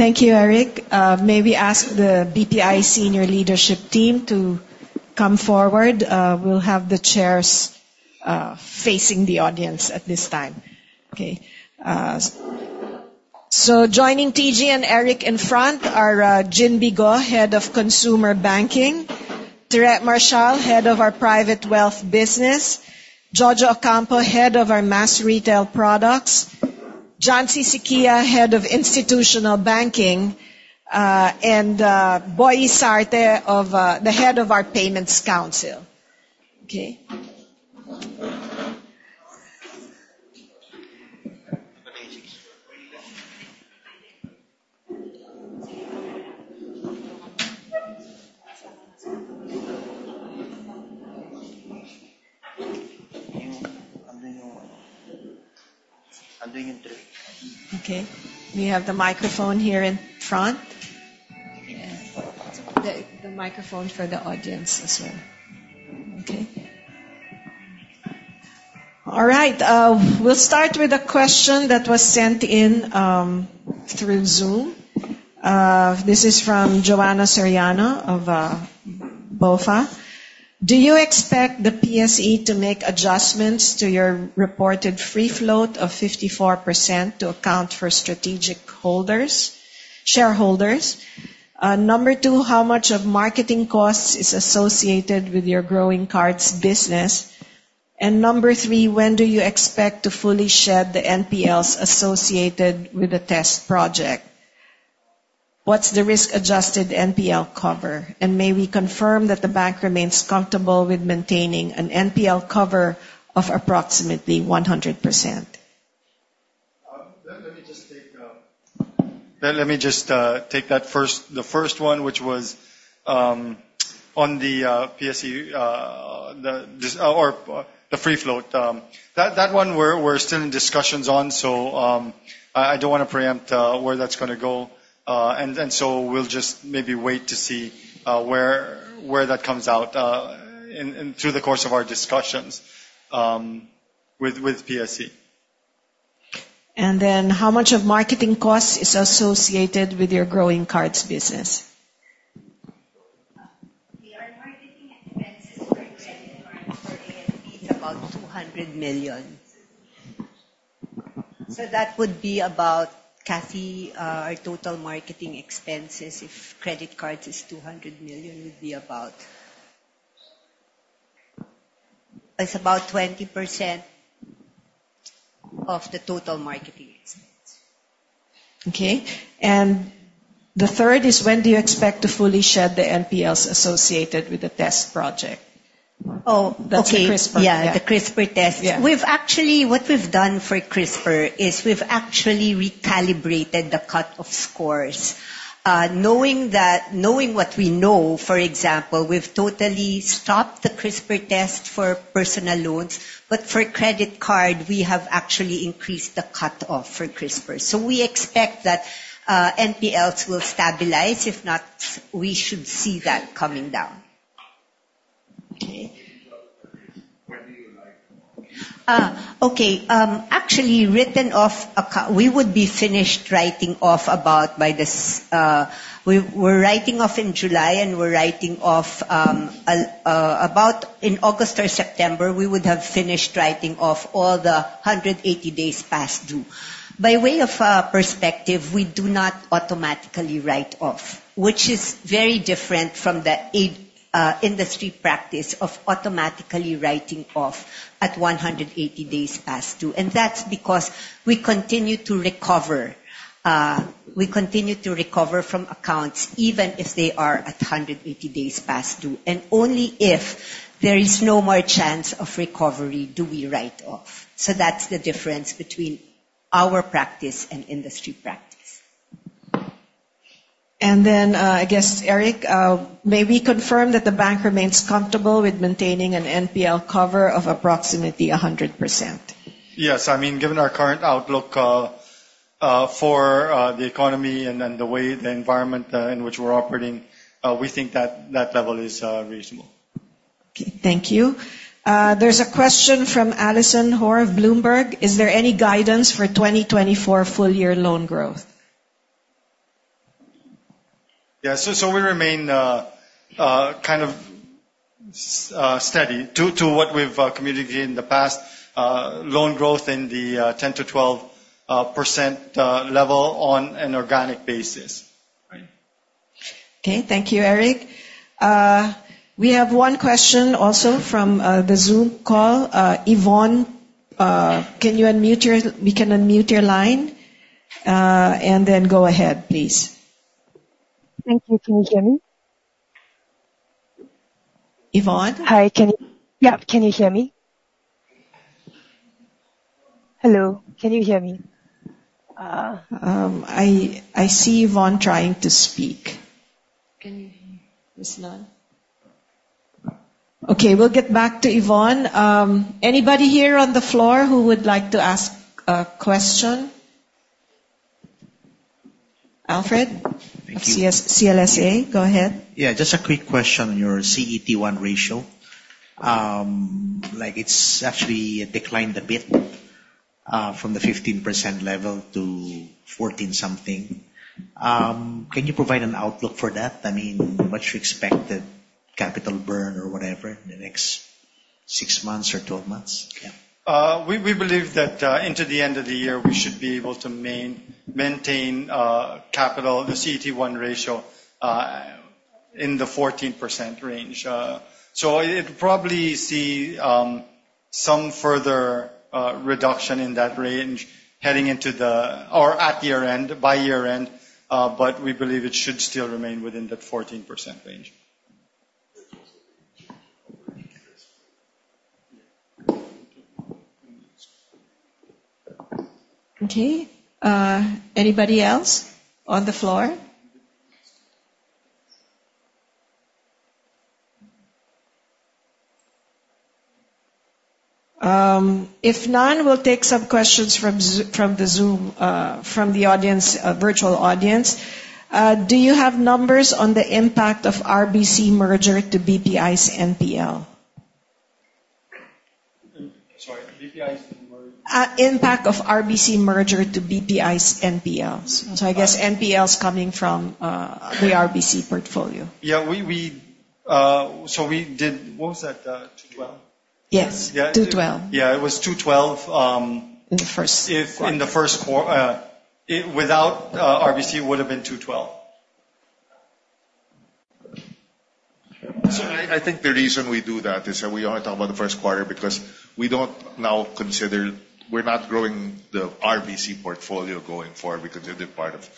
Speaker 1: Thank you, Eric. May we ask the BPI senior leadership team to come forward. We'll have the chairs facing the audience at this time. Okay. So joining TG and Eric in front are Jin Bigo, Head of Consumer Banking; Tere Marcial, Head of our Private Wealth Business; Jojo Ocampo, Head of our Mass Retail Products; Juan Syquia, Head of Institutional Banking; and Boyie Sarte of the Head of our Payments Council. Okay. We have the microphone here in front. Yeah. The microphone for the audience as well. Okay. All right. We'll start with a question that was sent in through Zoom. This is from Joahnna Soriano of BofA. Do you expect the PSE to make adjustments to your reported free float of 54% to account for strategic holders, shareholders? Number two, how much of marketing costs is associated with your growing cards business? And number three, when do you expect to fully shed the NPLs associated with the test project? What's the risk-adjusted NPL cover? And may we confirm that the bank remains comfortable with maintaining an NPL cover of approximately 100%?
Speaker 3: Let me just take that first, the first one, which was on the PSE, the free float. That one we're still in discussions on, so I don't wanna preempt where that's gonna go. We'll just maybe wait to see where that comes out in and through the course of our discussions with PSE.
Speaker 1: How much of marketing costs is associated with your growing cards business?
Speaker 4: Our marketing expenses for credit cards for AMP is about 200 million. That would be about, Kathy, our total marketing expenses if credit cards is 200 million. It's about 20% of the total marketing expense.
Speaker 1: Okay. The third is, when do you expect to fully shed the NPLs associated with the test project?
Speaker 4: Oh, okay.
Speaker 1: That's the CRISPR.
Speaker 4: Yeah, the CRISPR test.
Speaker 1: Yeah.
Speaker 4: What we've done for CRISPR is we've actually recalibrated the cut-off scores. Knowing that, knowing what we know, for example, we've totally stopped the CRISPR test for personal loans. For credit card, we have actually increased the cut-off for CRISPR. We expect that, NPLs will stabilize. If not, we should see that coming down.
Speaker 1: Okay.
Speaker 3: When do you like?
Speaker 4: We would be finished writing off about by this. We're writing off in July, and we're writing off about in August or September, we would have finished writing off all the 180 days past due. By way of perspective, we do not automatically write off, which is very different from the standard industry practice of automatically writing off at 180 days past due. That's because we continue to recover from accounts even if they are at 180 days past due. Only if there is no more chance of recovery do we write off. That's the difference between our practice and industry practice.
Speaker 1: I guess, Eric, may we confirm that the bank remains comfortable with maintaining an NPL cover of approximately 100%?
Speaker 3: Yes. I mean, given our current outlook for the economy and the way the environment in which we're operating, we think that level is reasonable.
Speaker 1: Okay. Thank you. There's a question from Alison Ho of Bloomberg. Is there any guidance for 2024 full year loan growth?
Speaker 3: We remain kind of steady due to what we've communicated in the past, loan growth in the 10%-12% level on an organic basis.
Speaker 1: Okay. Thank you, Eric. We have one question also from the Zoom call. Yvonne, we can unmute your line, and then go ahead, please.
Speaker 5: Thank you. Can you hear me?
Speaker 1: Yvonne?
Speaker 5: Hi. Yeah, can you hear me?
Speaker 1: Hello, can you hear me? I see Yvonne trying to speak.
Speaker 4: It's not.
Speaker 1: Okay, we'll get back to Yvonne. Anybody here on the floor who would like to ask a question? Alfred-
Speaker 6: Thank you.
Speaker 1: of CLSA. Go ahead.
Speaker 6: Yeah, just a quick question on your CET1 ratio. Like, it's actually declined a bit from the 15% level to 14-something. Can you provide an outlook for that? I mean, what's your expected capital burn or whatever in the next six months or 12 months? Yeah.
Speaker 3: We believe that at the end of the year, we should be able to maintain the CET1 ratio in the 14% range. We'll probably see some further reduction in that range heading into year-end or by year-end. We believe it should still remain within that 14% range.
Speaker 1: Okay. Anybody else on the floor? If none, we'll take some questions from the Zoom, from the virtual audience. Do you have numbers on the impact of RBC merger to BPI's NPL?
Speaker 3: Sorry, BPI's merger?
Speaker 1: Impact of RBC merger to BPI's NPLs. I guess NPLs coming from the RBC portfolio.
Speaker 3: Yeah, we did. What was that, 212?
Speaker 1: Yes.
Speaker 3: Yeah.
Speaker 1: 2:12.
Speaker 3: Yeah, it was 212.
Speaker 1: In the first quarter.
Speaker 3: If in the first quarter without RBC, it would have been 212.
Speaker 4: I think the reason we do that is that we only talk about the first quarter because we're not growing the RBC portfolio going forward. We consider it part of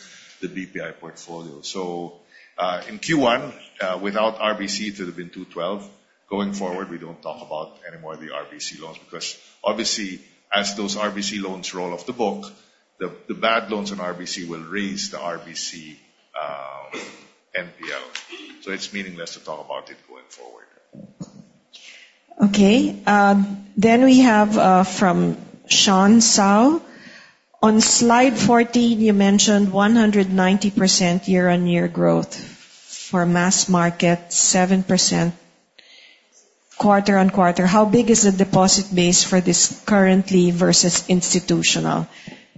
Speaker 4: the BPI portfolio. In Q1, without RBC, it would have been 2.12. Going forward, we don't talk about any more of the RBC loans because obviously as those RBC loans roll off the book, the bad loans on RBC will raise the RBC NPL. It's meaningless to talk about it going forward.
Speaker 1: From Sean Sao. On slide 14, you mentioned 190% year-on-year growth for mass market, 7% quarter-on-quarter. How big is the deposit base for this currently versus institutional,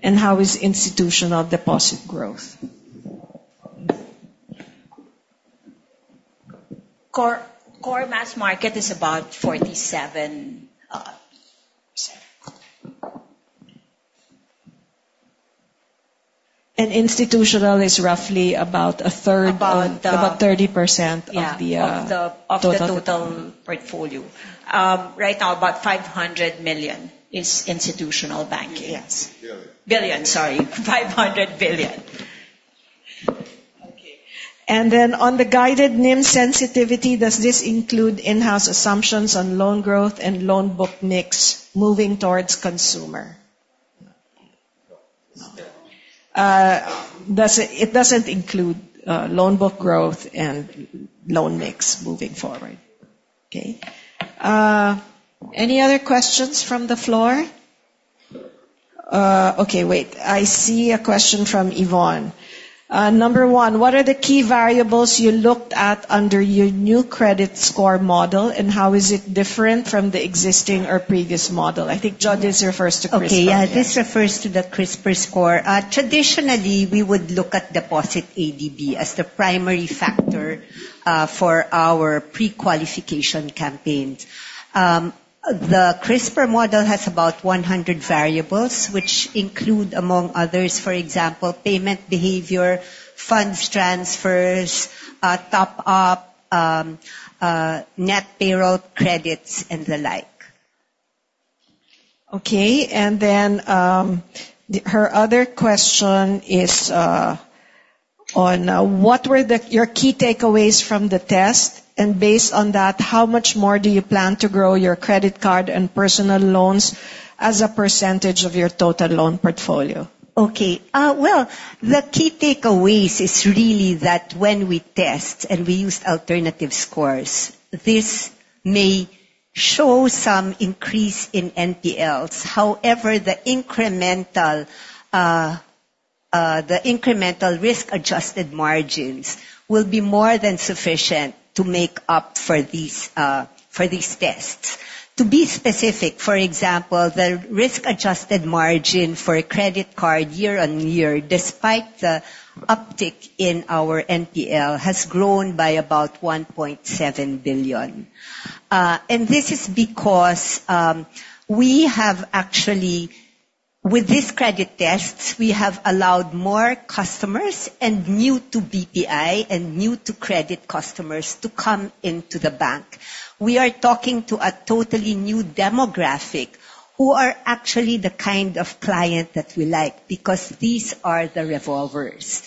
Speaker 1: and how is institutional deposit growth?
Speaker 4: Core mass market is about 47%.
Speaker 1: Institutional is roughly about a third.
Speaker 4: About, uh-
Speaker 1: About 30% of the,
Speaker 4: Yeah
Speaker 1: total.
Speaker 4: Of the total portfolio. Right now about 500 million is institutional banking.
Speaker 1: Yes.
Speaker 4: billion.
Speaker 1: Okay. On the guided NIM sensitivity, does this include in-house assumptions on loan growth and loan book mix moving towards consumer?
Speaker 4: No.
Speaker 1: It doesn't include loan book growth and loan mix moving forward. Okay. Any other questions from the floor? Okay, wait. I see a question from Yvonne. Number one, what are the key variables you looked at under your new credit score model, and how is it different from the existing or previous model? I think, Go, this refers to CRISPR.
Speaker 4: Okay, yeah. This refers to the CRISPR score. Traditionally, we would look at deposit ADB as the primary factor for our pre-qualification campaigns. The CRISPR model has about 100 variables which include, among others, for example, payment behavior, funds transfers, top up, net payroll credits and the like.
Speaker 1: Okay. Her other question is on what were your key takeaways from the test? Based on that, how much more do you plan to grow your credit card and personal loans as a percentage of your total loan portfolio?
Speaker 4: Okay. Well, the key takeaways is really that when we test and we use alternative scores, this may show some increase in NPLs. However, the incremental risk-adjusted margins will be more than sufficient to make up for these tests. To be specific, for example, the risk-adjusted margin for a credit card year-over-year, despite the uptick in our NPL, has grown by about 1.7 billion. And this is because we have actually with these credit tests, we have allowed more customers and new to BPI and new to credit customers to come into the bank. We are talking to a totally new demographic who are actually the kind of client that we like because these are the revolvers.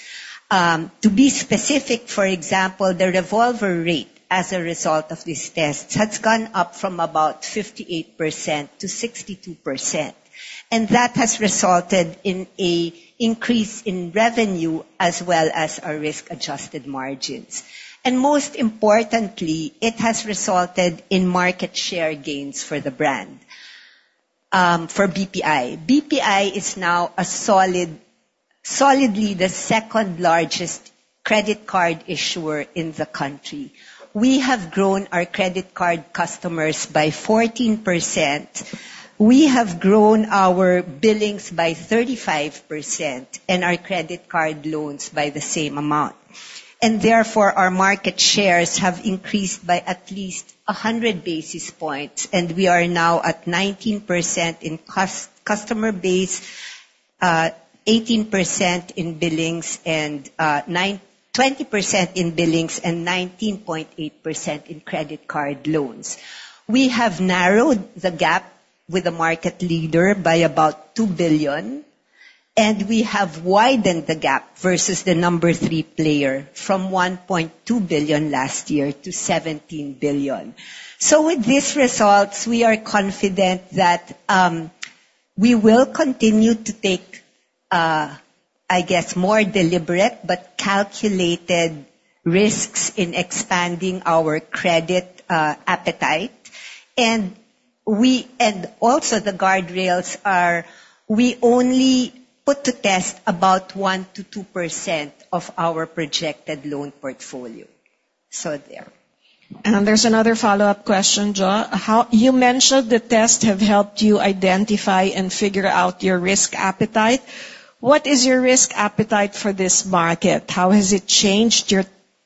Speaker 4: To be specific, for example, the revolver rate as a result of these tests has gone up from about 58% to 62%. That has resulted in an increase in revenue as well as our risk-adjusted margins. Most importantly, it has resulted in market share gains for the brand for BPI. BPI is now solidly the second-largest credit card issuer in the country. We have grown our credit card customers by 14%. We have grown our billings by 35% and our credit card loans by the same amount. Therefore, our market shares have increased by at least 100 basis points, and we are now at 19% in customer base, 18% in billings, and 20% in billings and 19.8% in credit card loans. We have narrowed the gap with the market leader by about 2 billion, and we have widened the gap versus the number three player from 1.2 billion last year to 17 billion. With these results, we are confident that we will continue to take, I guess, more deliberate but calculated risks in expanding our credit appetite. And also the guardrails are we only put to test about 1%-2% of our projected loan portfolio. There.
Speaker 1: There's another follow-up question, Jo. You mentioned the tests have helped you identify and figure out your risk appetite. What is your risk appetite for this market? How has it changed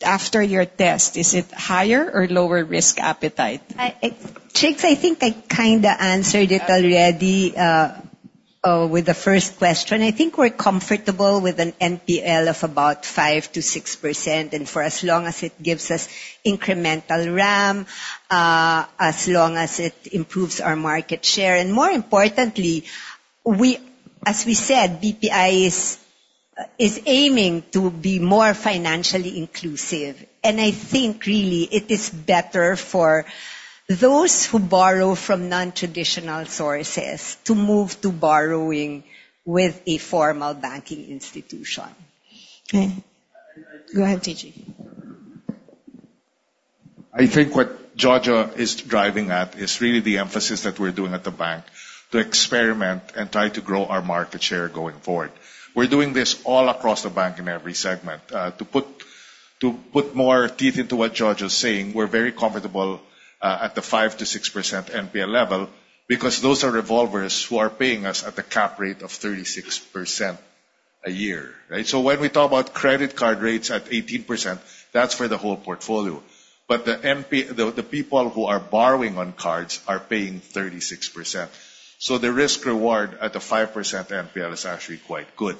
Speaker 1: after your test? Is it higher or lower risk appetite?
Speaker 4: I, Chinky Lucban, I think I kinda answered it already, with the first question. I think we're comfortable with an NPL of about 5%-6%, and for as long as it gives us incremental RAM, as long as it improves our market share. More importantly, as we said, BPI is aiming to be more financially inclusive. I think really it is better for those who borrow from nontraditional sources to move to borrowing with a formal banking institution.
Speaker 1: Okay. Go ahead, TG.
Speaker 2: I think what Go is driving at is really the emphasis that we're doing at the bank to experiment and try to grow our market share going forward. We're doing this all across the bank in every segment. To put more teeth into what Go is saying, we're very comfortable at the 5%-6% NPL level because those are revolvers who are paying us at a cap rate of 36% a year, right? So when we talk about credit card rates at 18%, that's for the whole portfolio. But the people who are borrowing on cards are paying 36%. So the risk reward at the 5% NPL is actually quite good.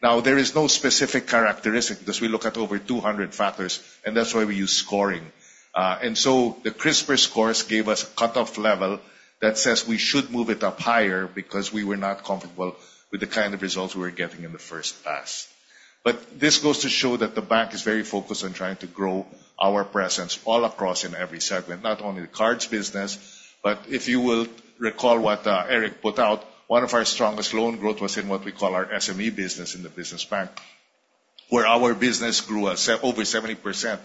Speaker 2: Now, there is no specific characteristic because we look at over 200 factors, and that's why we use scoring. The CRISPR scores gave us a cutoff level that says we should move it up higher because we were not comfortable with the kind of results we were getting in the first pass. This goes to show that the bank is very focused on trying to grow our presence all across in every segment, not only the cards business, but if you will recall what Eric put out, one of our strongest loan growth was in what we call our SME business in the business bank, where our business grew at over 70%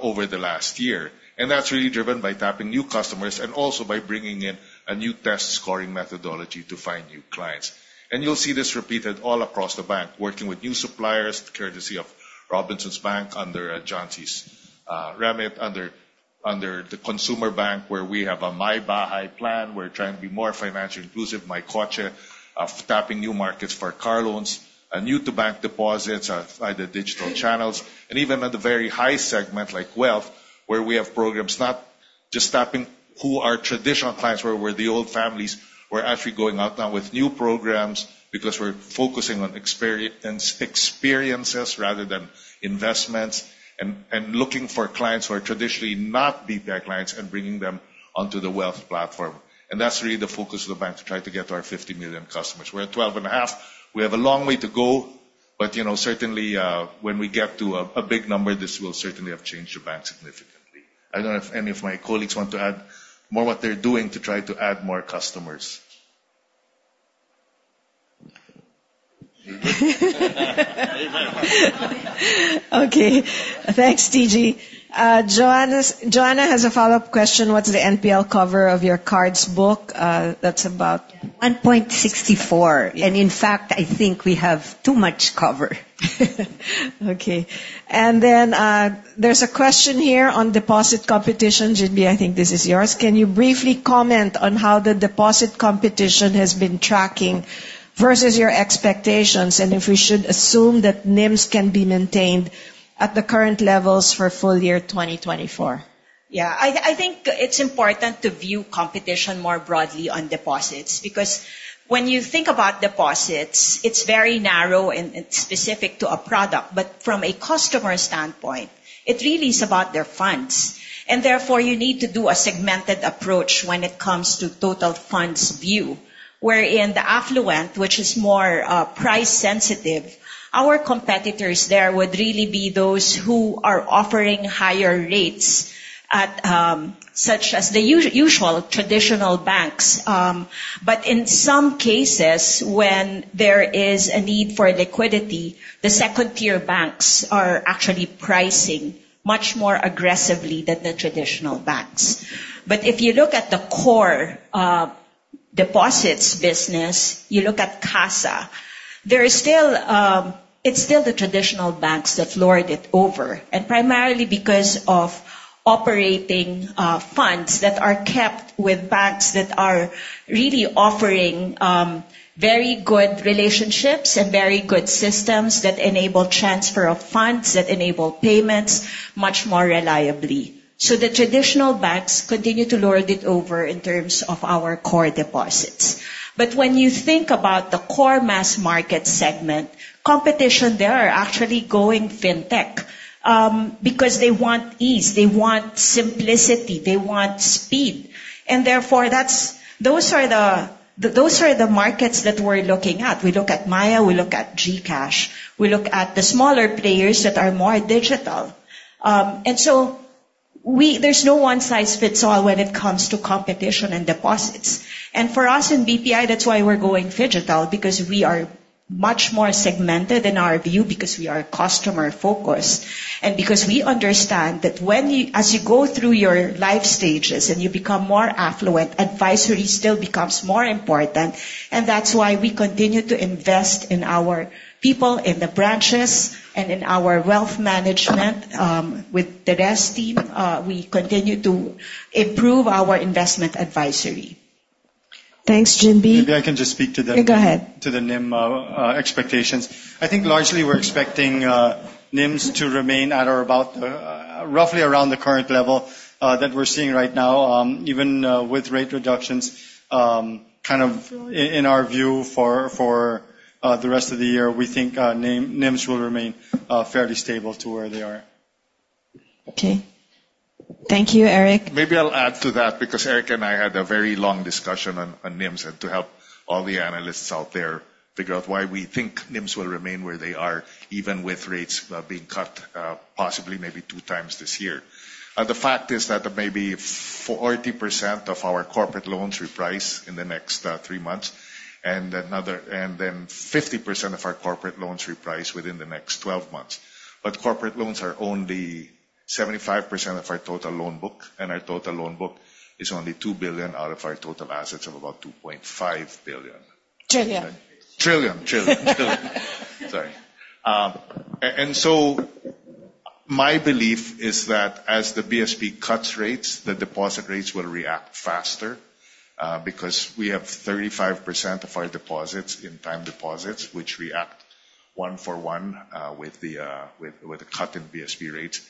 Speaker 2: over the last year. That's really driven by tapping new customers and also by bringing in a new test scoring methodology to find new clients. You'll see this repeated all across the bank, working with new suppliers, courtesy of Robinsons Bank under Johnsy's remit, under the consumer bank, where we have a MyBahay plan. We're trying to be more financially inclusive. MyKotse, tapping new markets for car loans, new to bank deposits, by the digital channels, and even at the very high segment like wealth, where we have programs not just tapping who our traditional clients were, where the old families were actually going out now with new programs because we're focusing on experiences rather than investments and looking for clients who are traditionally not BPI clients and bringing them onto the wealth platform. That's really the focus of the bank to try to get to our 50 million customers. We're at 12.5. We have a long way to go. You know, certainly, when we get to a big number, this will certainly have changed the bank significantly. I don't know if any of my colleagues want to add more what they're doing to try to add more customers.
Speaker 1: Okay. Thanks, TG. Joanna has a follow-up question. What's the NPL cover of your cards book? That's about-
Speaker 7: 1.64.
Speaker 1: Yeah.
Speaker 7: In fact, I think we have too much cover.
Speaker 1: There's a question here on deposit competition. Ginbee, I think this is yours. Can you briefly comment on how the deposit competition has been tracking versus your expectations, and if we should assume that NIMS can be maintained at the current levels for full year 2024?
Speaker 7: I think it's important to view competition more broadly on deposits, because when you think about deposits, it's very narrow and it's specific to a product. From a customer standpoint, it really is about their funds. Therefore, you need to do a segmented approach when it comes to total funds view. In the affluent, which is more price sensitive, our competitors there would really be those who are offering higher rates, such as the usual traditional banks. In some cases, when there is a need for liquidity, the second-tier banks are actually pricing much more aggressively than the traditional banks. If you look at the core deposits business, you look at CASA, there is still, it's still the traditional banks that lord it over, and primarily because of operating funds that are kept with banks that are really offering very good relationships and very good systems that enable transfer of funds, that enable payments much more reliably. The traditional banks continue to lord it over in terms of our core deposits. When you think about the core mass market segment, competition there are actually going fintech, because they want ease, they want simplicity, they want speed. Therefore those are the markets that we're looking at. We look at Maya, we look at GCash, we look at the smaller players that are more digital. There's no one size fits all when it comes to competition and deposits. For us in BPI, that's why we're going phygital because we are much more segmented in our view because we are customer-focused, and because we understand that as you go through your life stages and you become more affluent, advisory still becomes more important. That's why we continue to invest in our people in the branches and in our wealth management, with the best team, we continue to improve our investment advisory.
Speaker 1: Thanks, Ginbee.
Speaker 3: Maybe I can just speak to the.
Speaker 1: Yeah, go ahead.
Speaker 3: To the NIM expectations. I think largely we're expecting NIMS to remain at or about roughly around the current level that we're seeing right now even with rate reductions kind of in our view for the rest of the year. We think NIMs will remain fairly stable to where they are.
Speaker 1: Okay. Thank you, Eric.
Speaker 2: Maybe I'll add to that because Eric and I had a very long discussion on NIMS and to help all the analysts out there figure out why we think NIMS will remain where they are, even with rates being cut possibly maybe 2 times this year. The fact is that maybe 40% of our corporate loans reprice in the next 3 months and then 50% of our corporate loans reprice within the next 12 months. Corporate loans are only 75% of our total loan book, and our total loan book is only 2 billion out of our total assets of about 2.5 billion.
Speaker 1: Trillion.
Speaker 2: Trillion. Sorry. My belief is that as the BSP cuts rates, the deposit rates will react faster because we have 35% of our deposits in time deposits, which react one for one with the cut in BSP rates.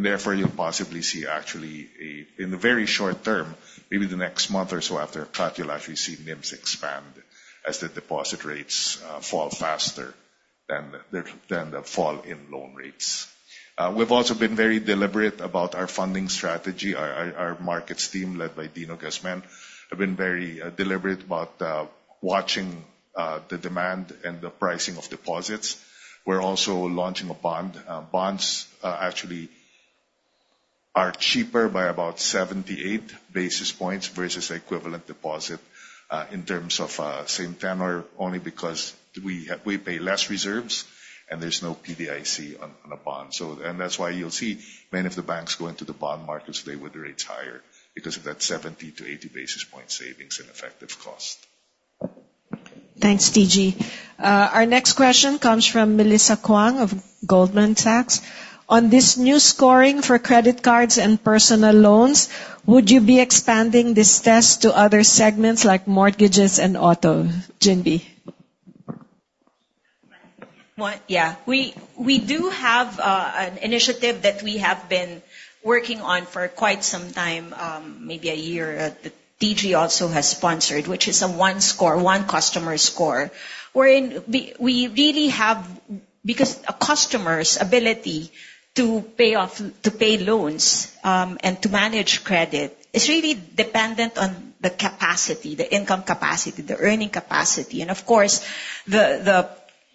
Speaker 2: Therefore, you'll possibly see actually a, in the very short term, maybe the next month or so after a cut, you'll actually see NIMS expand as the deposit rates fall faster than the fall in loan rates. We've also been very deliberate about our funding strategy. Our markets team, led by Dino Gasmen, have been very deliberate about watching the demand and the pricing of deposits. We're also launching a bond. Bonds actually are cheaper by about 78 basis points versus the equivalent deposit in terms of same tenor only because we pay less reserves and there's no PDIC on a bond. That's why you'll see many of the banks go into the bond markets with the rates higher because of that 70-80 basis point savings in effective cost.
Speaker 1: Thanks, TG. Our next question comes from Melissa Kwong of Goldman Sachs. On this new scoring for credit cards and personal loans, would you be expanding this test to other segments like mortgages and auto? Ginbee.
Speaker 7: What? Yeah. We do have an initiative that we have been working on for quite some time, maybe a year, that TG also has sponsored, which is a one score, one customer score. Because a customer's ability to pay off, to pay loans, and to manage credit is really dependent on the capacity, the income capacity, the earning capacity. Of course, the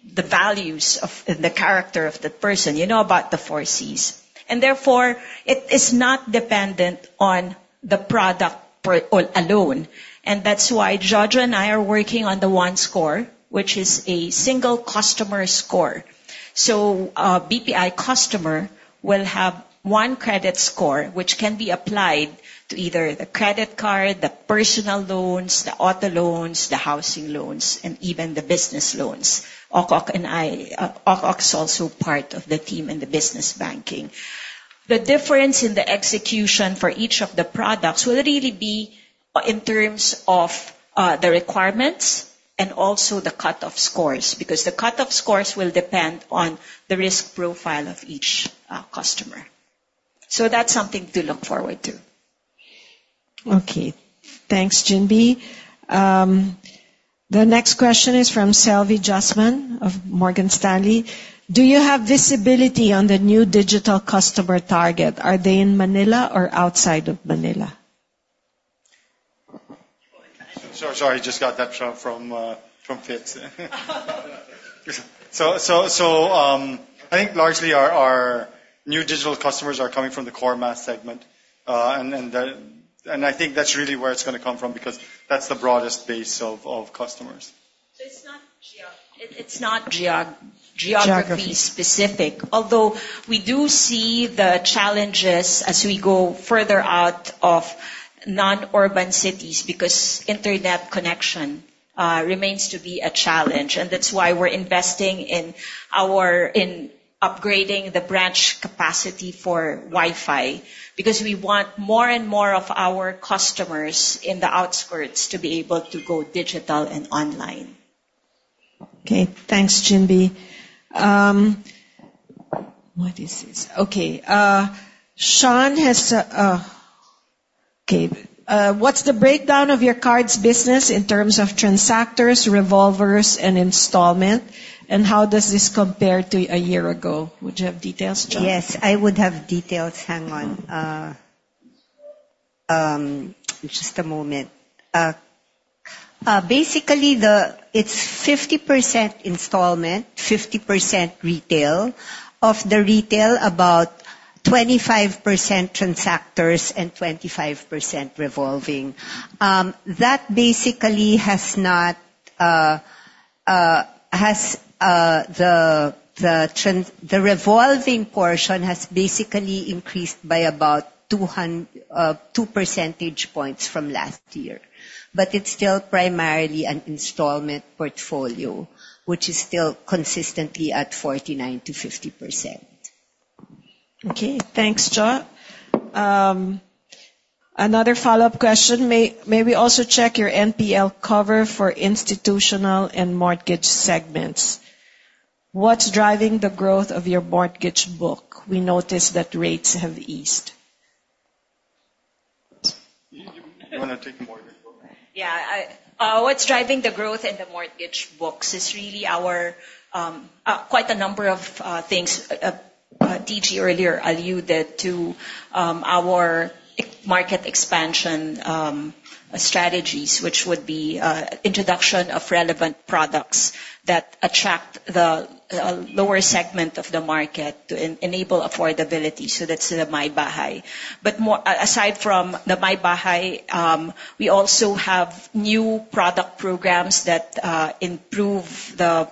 Speaker 7: values of, and the character of the person. You know about the four Cs. Therefore, it is not dependent on the product or alone. That's why Jojo and I are working on the one score, which is a single customer score. A BPI customer will have one credit score which can be applied to either the credit card, the personal loans, the auto loans, the housing loans, and even the business loans. Jojo Ocampo and I... Jojo Ocampo's also part of the team in the business banking. The difference in the execution for each of the products will really be in terms of the requirements and also the cut-off scores, because the cut-off scores will depend on the risk profile of each customer. That's something to look forward to.
Speaker 1: Okay. Thanks, Ginbee. The next question is from Selvie Jusman of Morgan Stanley. Do you have visibility on the new digital customer target? Are they in Manila or outside of Manila?
Speaker 3: Sorry, just got that from Fitz. I think largely our new digital customers are coming from the core mass segment. I think that's really where it's gonna come from because that's the broadest base of customers.
Speaker 7: It's not geography.
Speaker 1: Geography
Speaker 7: Specific. Although we do see the challenges as we go further out of non-urban cities because internet connection remains to be a challenge. That's why we're investing in upgrading the branch capacity for Wi-Fi, because we want more and more of our customers in the outskirts to be able to go digital and online.
Speaker 1: Thanks, Ginbee. What's the breakdown of your cards business in terms of transactors, revolvers, and installment, and how does this compare to a year ago? Would you have details, Go?
Speaker 4: Yes, I would have details. Hang on. Just a moment. Basically, it's 50% installment, 50% retail. Of the retail, about 25% transactors and 25% revolving. The revolving portion has basically increased by about 2 percentage points from last year. It's still primarily an installment portfolio, which is still consistently at 49%-50%.
Speaker 1: Okay. Thanks, Go. Another follow-up question. May we also check your NPL cover for institutional and mortgage segments? What's driving the growth of your mortgage book? We noticed that rates have eased.
Speaker 3: You wanna take the mortgage book?
Speaker 7: Yeah. What's driving the growth in the mortgage books is really our quite a number of things. TG earlier alluded to our market expansion strategies, which would be introduction of relevant products that attract the lower segment of the market to enable affordability. That's the MyBahay. More aside from the MyBahay, we also have new product programs that improve the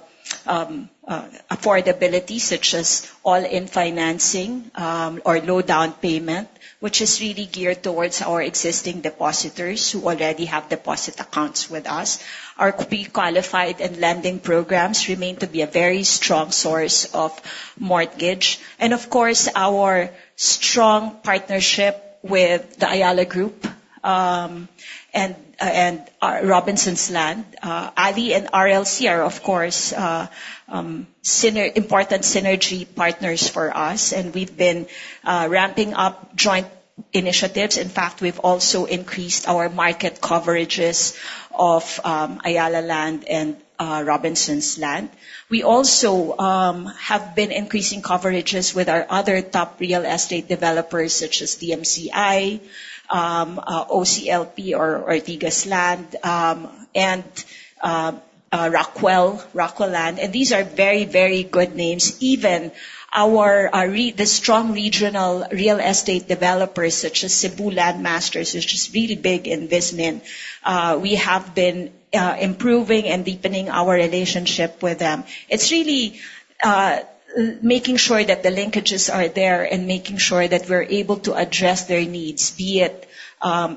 Speaker 7: affordability, such as all-in financing or low down payment, which is really geared towards our existing depositors who already have deposit accounts with us. Our pre-qualified and lending programs remain to be a very strong source of mortgage. Of course, our strong partnership with the Ayala Group and Robinsons Land. ALI and RLC are, of course, important synergy partners for us, and we've been ramping up joint initiatives. In fact, we've also increased our market coverages of Ayala Land and Robinsons Land. We also have been increasing coverages with our other top real estate developers such as DMCI, OCLP or Ortigas Land, and Rockwell Land. These are very good names. Even the strong regional real estate developers such as Cebu Landmasters, which is really big in VisMin. We have been improving and deepening our relationship with them. It's really making sure that the linkages are there and making sure that we're able to address their needs, be it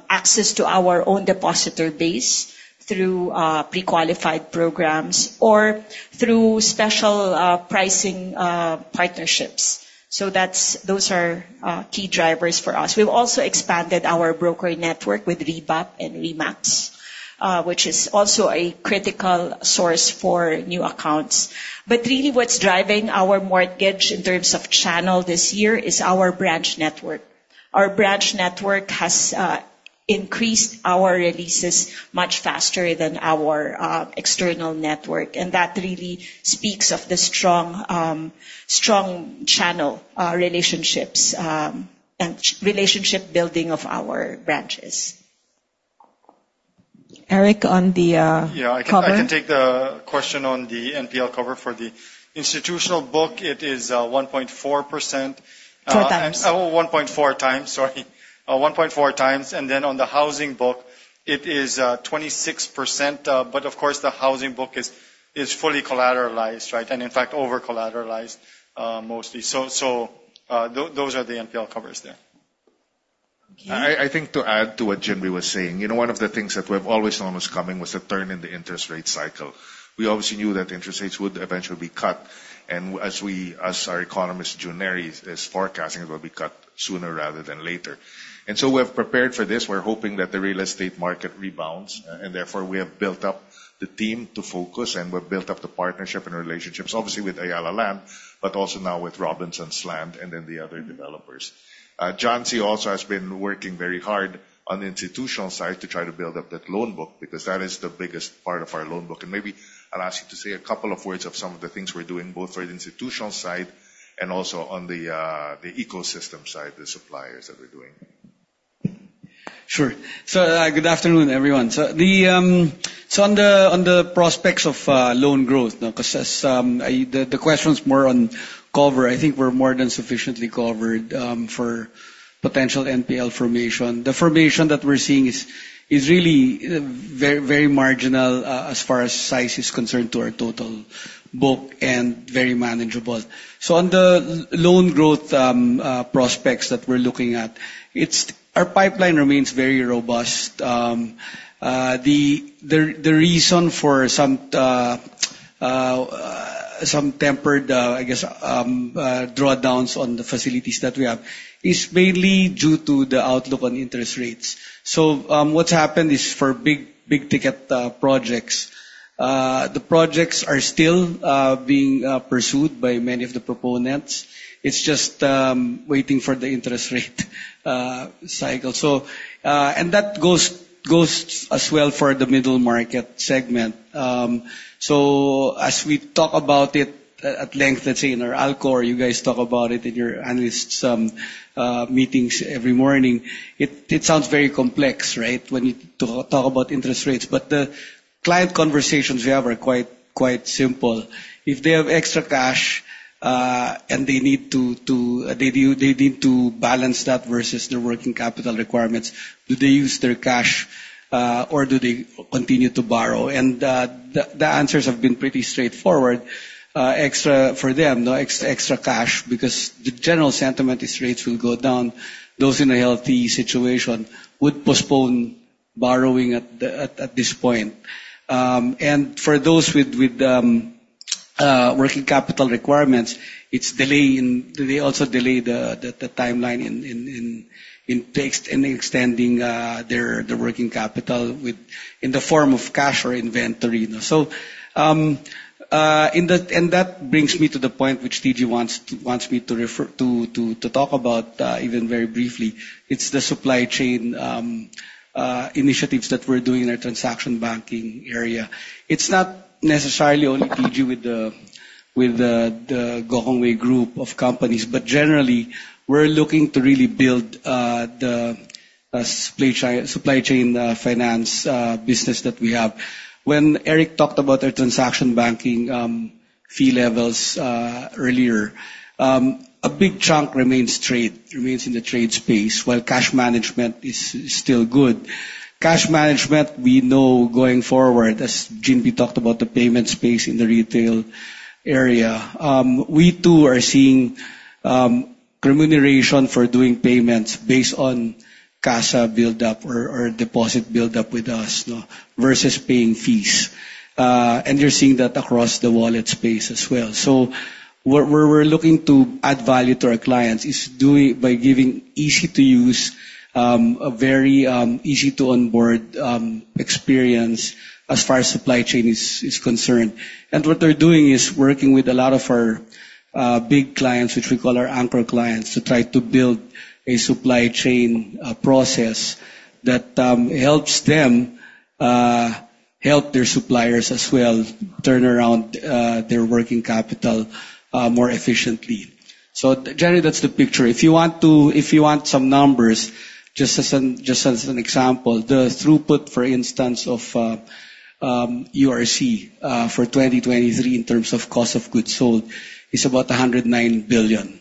Speaker 7: access to our own depositor base through pre-qualified programs or through special pricing partnerships. That's. Those are key drivers for us. We've also expanded our brokerage network with REBAP and RE/MAX, which is also a critical source for new accounts. Really what's driving our mortgage in terms of channel this year is our branch network. Our branch network has increased our releases much faster than our external network, and that really speaks of the strong channel relationships and relationship building of our branches.
Speaker 1: Eric, on the cover.
Speaker 3: Yeah, I can take the question on the NPL cover. For the institutional book, it is 1.4%.
Speaker 1: Four times.
Speaker 3: 1.4 times. On the housing book it is 26%. Of course the housing book is fully collateralized, right? In fact, over-collateralized, mostly. Those are the NPL covers there.
Speaker 1: Okay.
Speaker 2: I think to add to what Ginbee was saying, you know, one of the things that we've always known was coming was a turn in the interest rate cycle. We obviously knew that interest rates would eventually be cut, and as our economist, Jun Neri is forecasting, will be cut sooner rather than later. We have prepared for this. We're hoping that the real estate market rebounds, and therefore we have built up the team to focus and we've built up the partnership and relationships, obviously with Ayala Land, but also now with Robinsons Land and then the other developers. Juan C. Syquia also has been working very hard on the institutional side to try to build up that loan book because that is the biggest part of our loan book. Maybe I'll ask you to say a couple of words of some of the things we're doing both for the institutional side and also on the ecosystem side, the suppliers that we're doing.
Speaker 8: Sure. Good afternoon, everyone. On the prospects of loan growth, now, 'cause as, I... The question's more on coverage. I think we're more than sufficiently covered for potential NPL formation. The formation that we're seeing is really very marginal as far as size is concerned to our total book and very manageable. On the loan growth prospects that we're looking at, our pipeline remains very robust. The reason for some tempered, I guess, drawdowns on the facilities that we have is mainly due to the outlook on interest rates. What's happened is for big ticket projects, the projects are still being pursued by many of the proponents. It's just waiting for the interest rate cycle. That goes as well for the middle market segment. As we talk about it at length, let's say in our ALCO, you guys talk about it in your analyst meetings every morning, it sounds very complex, right? When you talk about interest rates. The client conversations we have are quite simple. If they have extra cash and they need to balance that versus their working capital requirements, do they use their cash or do they continue to borrow? The answers have been pretty straightforward, extra for them. The extra cash, because the general sentiment is rates will go down. Those in a healthy situation would postpone borrowing at this point. For those with working capital requirements, it's delaying. They also delay the timeline in context and extending their working capital within the form of cash or inventory. That brings me to the point which TG wants me to refer to talk about, even very briefly. It's the supply chain initiatives that we're doing in our transaction banking area. It's not necessarily only TG with the Gokongwei Group of companies. Generally we're looking to really build the supply chain finance business that we have. When Eric talked about our transaction banking fee levels earlier, a big chunk remains in the trade space while cash management is still good. Cash management, we know going forward, as Ginbee Go talked about the payment space in the retail area, we too are seeing remuneration for doing payments based on CASA buildup or deposit buildup with us, now, versus paying fees. You're seeing that across the wallet space as well. Where we're looking to add value to our clients is doing by giving easy-to-use a very easy to onboard experience as far as supply chain is concerned. What we're doing is working with a lot of our big clients, which we call our anchor clients, to try to build a supply chain process that helps them help their suppliers as well turn around their working capital more efficiently. Generally that's the picture. If you want some numbers, just as an example, the throughput, for instance, of URC for 2023 in terms of cost of goods sold is about 109 billion.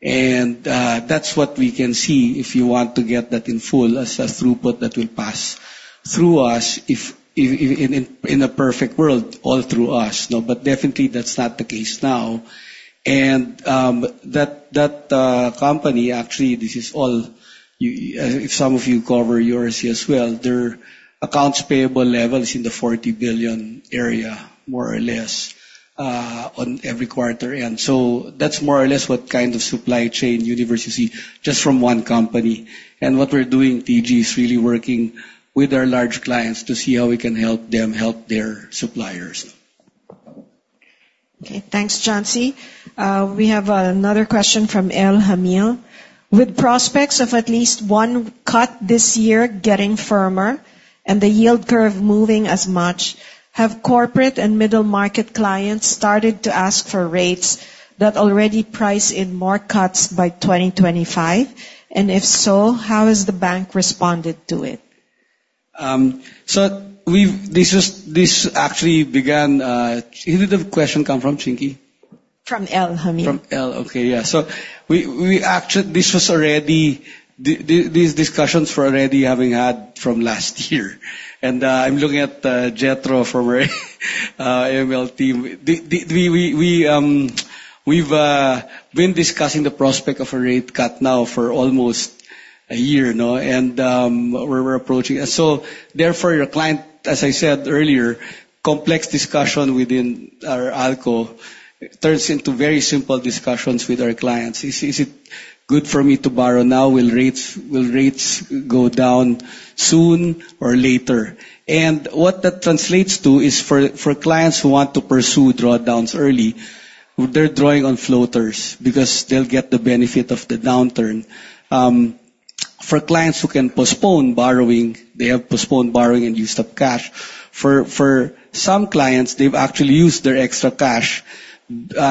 Speaker 8: That's what we can see, if you want to get that in full as a throughput that will pass through us if, in a perfect world, all through us. No, but definitely that's not the case now. That company, actually this is all you. If some of you cover URC as well, their accounts payable level is in the 40 billion area more or less, on every quarter. That's more or less what kind of supply chain you'd ever see just from one company. What we're doing, TG, is really working with our large clients to see how we can help them help their suppliers.
Speaker 1: Okay. Thanks, Juan C. Syquia. We have another question from Earl Jamil. With prospects of at least one cut this year getting firmer and the yield curve moving as much, have corporate and middle market clients started to ask for rates that already price in more cuts by 2025? And if so, how has the bank responded to it?
Speaker 8: This actually began. Where did the question come from, Chinky?
Speaker 1: From Elle, Eryl Jaine Reyes.
Speaker 8: From Elle. Okay. Yeah. We actually these discussions we were already having from last year. I'm looking at Jethro from our ALM team. We we've been discussing the prospect of a rate cut now for almost a year, no? We're approaching. Therefore your client, as I said earlier, complex discussion within our ALCO turns into very simple discussions with our clients. Is it good for me to borrow now? Will rates go down soon or later? What that translates to is for clients who want to pursue drawdowns early, they're drawing on floaters because they'll get the benefit of the downturn. For clients who can postpone borrowing, they have postponed borrowing and use of cash. For some clients, they've actually used their extra cash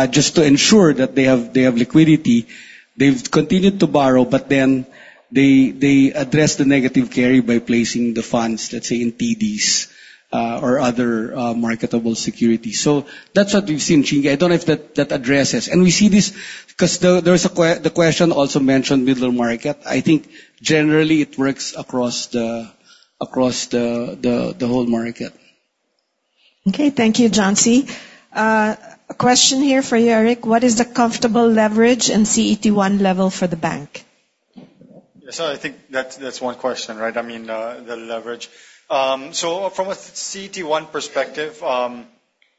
Speaker 8: just to ensure that they have liquidity. They've continued to borrow, but then they address the negative carry by placing the funds, let's say, in TDs or other marketable securities. So that's what we've seen, Chinky. I don't know if that addresses. We see this 'cause there is a question also mentioned middle market. I think generally it works across the whole market.
Speaker 1: Okay. Thank you, John C. A question here for you, Eric. What is the comfortable leverage and CET1 level for the bank?
Speaker 3: Yes. I think that's one question, right? I mean, the leverage. From a CET1 perspective,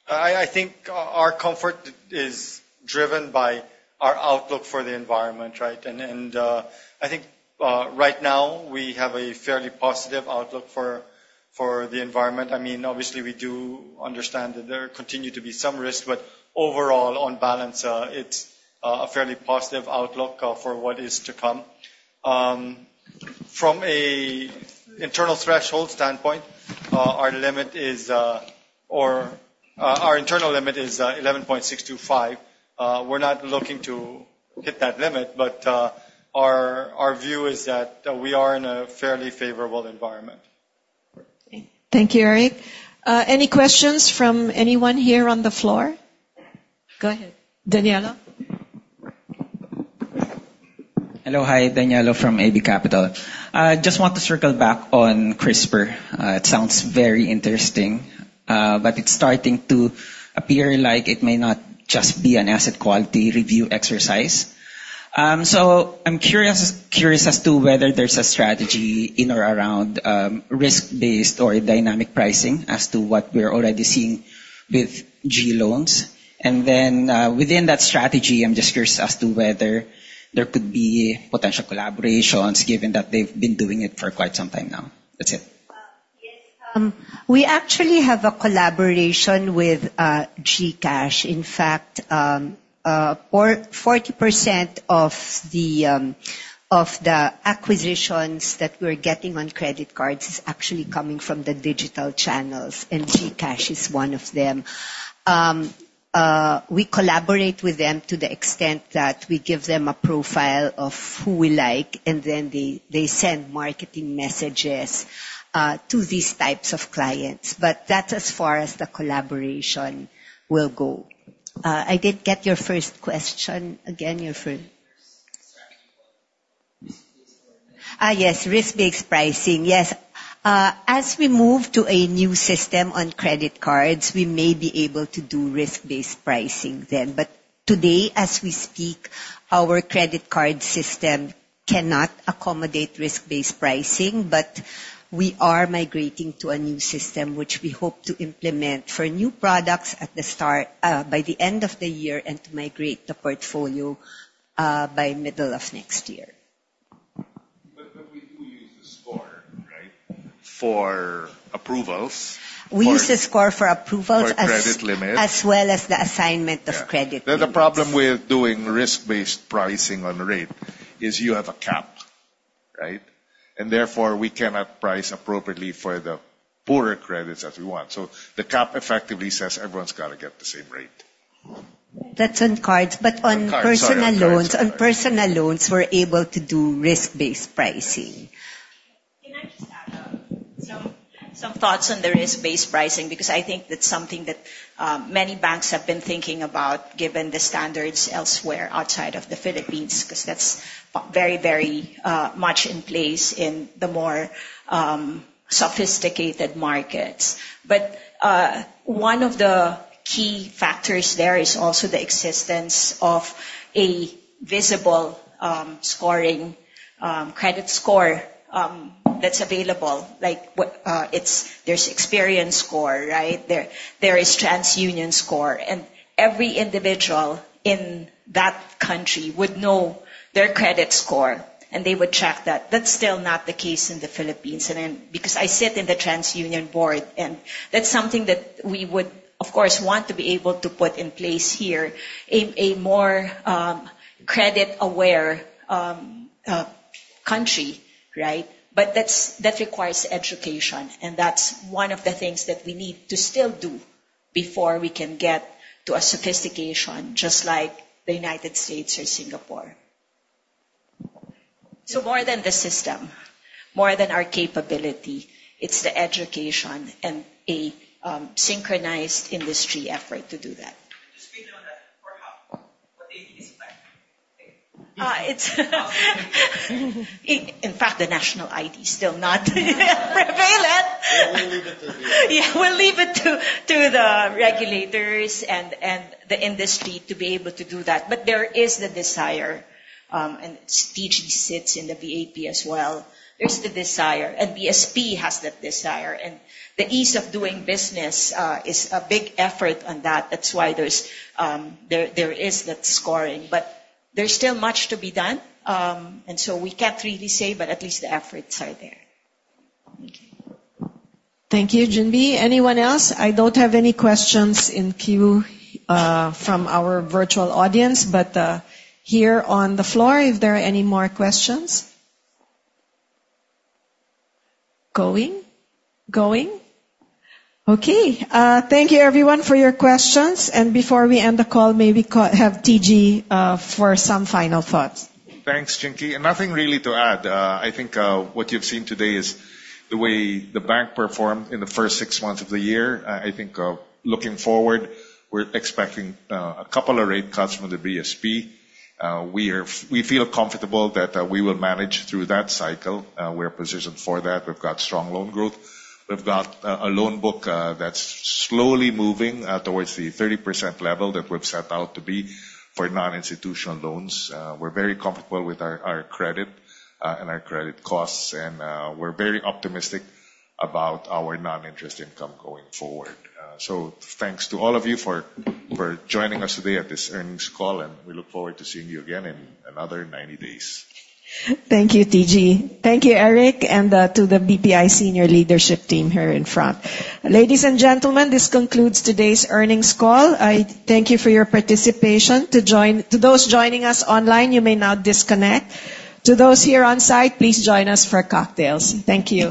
Speaker 3: I think our comfort is driven by our outlook for the environment, right? I think right now we have a fairly positive outlook for the environment. I mean, obviously we do understand that there continue to be some risks, but overall, on balance, it's a fairly positive outlook for what is to come. From an internal threshold standpoint, our internal limit is 11.625%. We're not looking to hit that limit, but our view is that we are in a fairly favorable environment.
Speaker 1: Thank you, Eric. Any questions from anyone here on the floor? Go ahead, Danielle.
Speaker 9: Hello. Hi. Danielle from AB Capital. I just want to circle back on CRISPR. It sounds very interesting, but it's starting to appear like it may not just be an asset quality review exercise. I'm curious as to whether there's a strategy in or around risk-based or dynamic pricing as to what we're already seeing with green loans. Within that strategy, I'm just curious as to whether there could be potential collaborations given that they've been doing it for quite some time now. That's it.
Speaker 4: We actually have a collaboration with GCash. In fact, 40% of the acquisitions that we're getting on credit cards is actually coming from the digital channels, and GCash is one of them. We collaborate with them to the extent that we give them a profile of who we like, and then they send marketing messages to these types of clients. But that's as far as the collaboration will go. I didn't get your first question. Again, you're free.
Speaker 9: Risk-based pricing.
Speaker 4: Yes, risk-based pricing. Yes. As we move to a new system on credit cards, we may be able to do risk-based pricing then. Today, as we speak, our credit card system cannot accommodate risk-based pricing. We are migrating to a new system, which we hope to implement for new products at the start, by the end of the year and to migrate the portfolio, by middle of next year.
Speaker 8: We do use the score, right? For approvals.
Speaker 4: We use the score for approvals.
Speaker 8: For credit limits.
Speaker 4: as well as the assignment of credit limits.
Speaker 8: Yeah. The problem with doing risk-based pricing on rate is you have a cap, right? Therefore, we cannot price appropriately for the poorer credits as we want. The cap effectively says everyone's gotta get the same rate.
Speaker 4: That's on cards.
Speaker 8: on cards.
Speaker 4: On personal loans, we're able to do risk-based pricing.
Speaker 7: Can I just add some thoughts on the risk-based pricing? Because I think that's something that many banks have been thinking about given the standards elsewhere outside of the Philippines, 'cause that's very much in place in the more sophisticated markets. One of the key factors there is also the existence of a visible scoring credit score that's available. Like, there's Experian score, right? There is TransUnion score. Every individual in that country would know their credit score, and they would check that. That's still not the case in the Philippines. Because I sit in the TransUnion board, and that's something that we would, of course, want to be able to put in place here in a more credit-aware country, right? That requires education, and that's one of the things that we need to still do before we can get to a sophistication just like the United States or Singapore. More than the system, more than our capability, it's the education and a synchronized industry effort to do that. Just be done or how? What is this like? In fact, the national ID is still not prevalent. We'll leave it to the regulators and the industry to be able to do that. There is the desire, and TG sits in the BAP as well. There's the desire, and BSP has that desire. The ease of doing business is a big effort on that. That's why there is that scoring. There's still much to be done. We can't really say, but at least the efforts are there. Thank you.
Speaker 1: Thank you, Ginbee. Anyone else? I don't have any questions in queue from our virtual audience, but here on the floor, if there are any more questions. Going. Going. Okay. Thank you everyone for your questions. Before we end the call, may we have TG for some final thoughts.
Speaker 2: Thanks, Chinky. Nothing really to add. I think what you've seen today is the way the bank performed in the first six months of the year. I think looking forward, we're expecting a couple of rate cuts from the BSP. We feel comfortable that we will manage through that cycle. We're positioned for that. We've got strong loan growth. We've got a loan book that's slowly moving towards the 30% level that we've set out to be for non-institutional loans. We're very comfortable with our credit and our credit costs. We're very optimistic about our non-interest income going forward. Thanks to all of you for joining us today at this earnings call, and we look forward to seeing you again in another 90 days.
Speaker 1: Thank you, TG. Thank you, Eric, and to the BPI senior leadership team here in front. Ladies and gentlemen, this concludes today's earnings call. I thank you for your participation. To those joining us online, you may now disconnect. To those here on site, please join us for cocktails. Thank you.